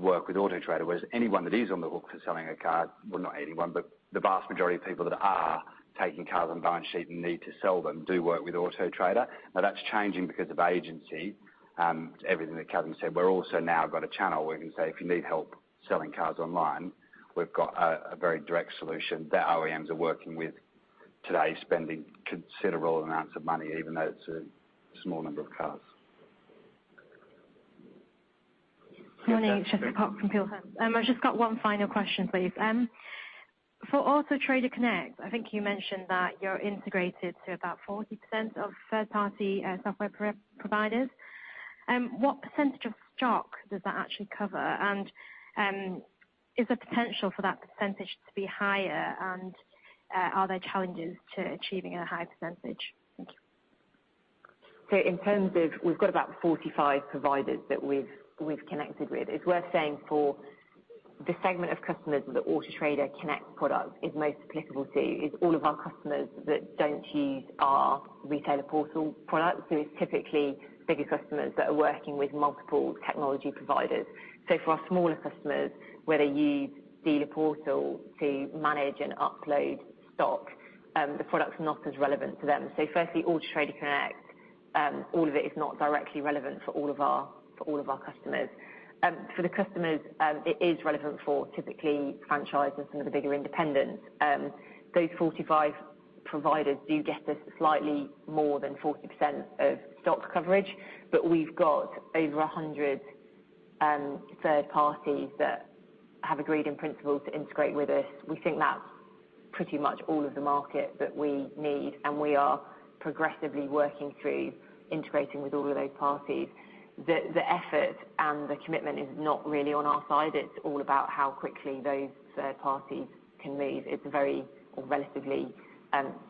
Speaker 1: work with Auto Trader. Whereas anyone that is on the hook for selling a car, well, not anyone, but the vast majority of people that are taking cars on balance sheet and need to sell them, do work with Auto Trader. Now that's changing because of agency, everything that Catherine said. We've also now got a channel where we can say, "If you need help selling cars online, we've got a very direct solution that OEMs are working with today, spending considerable amounts of money, even though it's a small number of cars.
Speaker 12: Morning. Jessica Pok from Peel Hunt. I've just got one final question, please. For Auto Trader Connect, I think you mentioned that you're integrated to about 40% of third-party software providers. What percentage of stock does that actually cover? And, is the potential for that percentage to be higher and, are there challenges to achieving a higher percentage? Thank you.
Speaker 3: In terms of we've got about 45 providers that we've connected with. It's worth saying for the segment of customers that Auto Trader Connect product is most applicable to is all of our customers that don't use our Dealer Portal product. It's typically bigger customers that are working with multiple technology providers. For our smaller customers, where they use Dealer Portal to manage and upload stock, the product's not as relevant to them. Firstly, Auto Trader Connect, all of it is not directly relevant for all of our customers. For the customers, it is relevant for typically franchises, some of the bigger independents. Those 45 providers do get us slightly more than 40% of stock coverage, but we've got over 100 third parties that have agreed in principle to integrate with us. We think that's pretty much all of the market that we need, and we are progressively working through integrating with all of those parties. The effort and the commitment is not really on our side. It's all about how quickly those third parties can move. It's very or relatively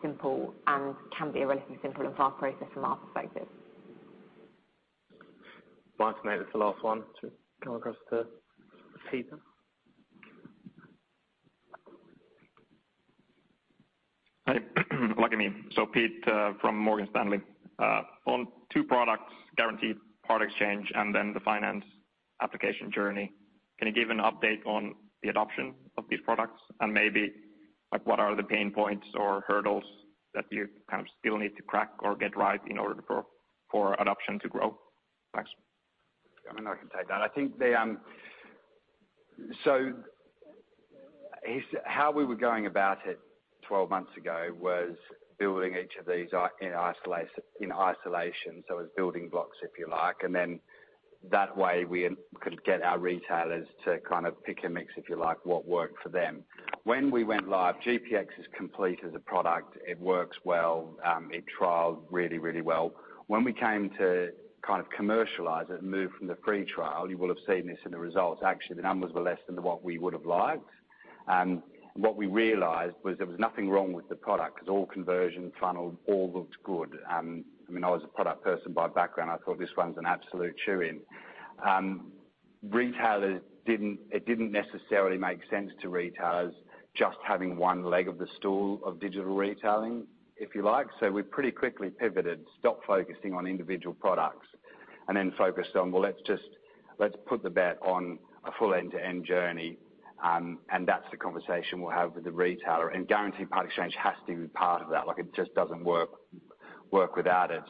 Speaker 3: simple and can be a relatively simple and fast process from our perspective.
Speaker 2: Mike, mate, it's the last one. Come across to Pete.
Speaker 13: Hi. Lucky me. Pete, from Morgan Stanley. On two products, Guaranteed Part-Exchange and then the finance application journey, can you give an update on the adoption of these products and maybe, like, what are the pain points or hurdles that you kind of still need to crack or get right in order for adoption to grow? Thanks.
Speaker 1: I mean, I can take that. I think the how we were going about it 12 months ago was building each of these in isolation, so as building blocks, if you like. That way we could get our retailers to kind of pick and mix, if you like, what worked for them. When we went live, GPX is complete as a product. It works well. It trialed really, really well. When we came to kind of commercialize it and move from the free trial, you will have seen this in the results, actually, the numbers were less than what we would have liked. What we realized was there was nothing wrong with the product because all conversion funneled, all looked good. I mean, I was a product person by background. I thought, "This one's an absolute shoo-in." It didn't necessarily make sense to retailers just having one leg of the stool of digital retailing, if you like. We pretty quickly pivoted, stopped focusing on individual products, and then focused on, well, let's put the bet on a full end-to-end journey. That's the conversation we'll have with the retailer. Guaranteed Part-Exchange has to be part of that. Like, it just doesn't work without it.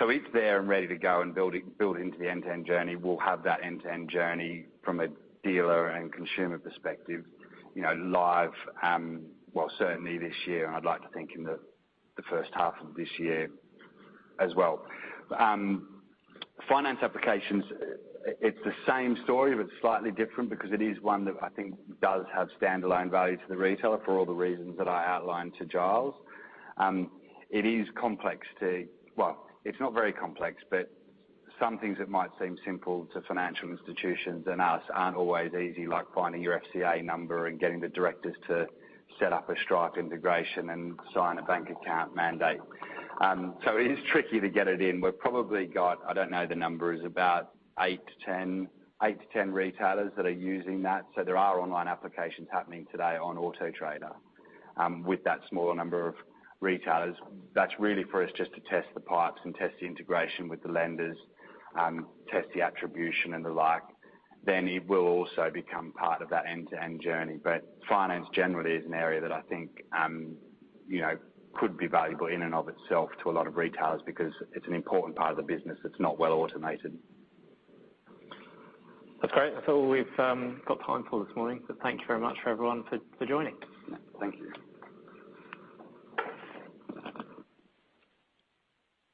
Speaker 1: It's there and ready to go and build into the end-to-end journey. We'll have that end-to-end journey from a dealer and consumer perspective, you know, live, well, certainly this year, and I'd like to think in the first half of this year as well. Finance applications, it's the same story, but slightly different because it is one that I think does have standalone value to the retailer for all the reasons that I outlined to Giles. It is complex. Well, it's not very complex, but some things that might seem simple to financial institutions and us aren't always easy, like finding your FCA number and getting the directors to set up a Stripe integration and sign a bank account mandate. It is tricky to get it in. We've probably got, I don't know the numbers, about 8-10 retailers that are using that. There are online applications happening today on Auto Trader, with that smaller number of retailers. That's really for us just to test the pipes and test the integration with the lenders, test the attribution and the like. It will also become part of that end-to-end journey. Finance generally is an area that I think, you know, could be valuable in and of itself to a lot of retailers because it's an important part of the business that's not well automated.
Speaker 14: That's great. That's all we've got time for this morning, but thank you very much for everyone for joining.
Speaker 1: Thank you.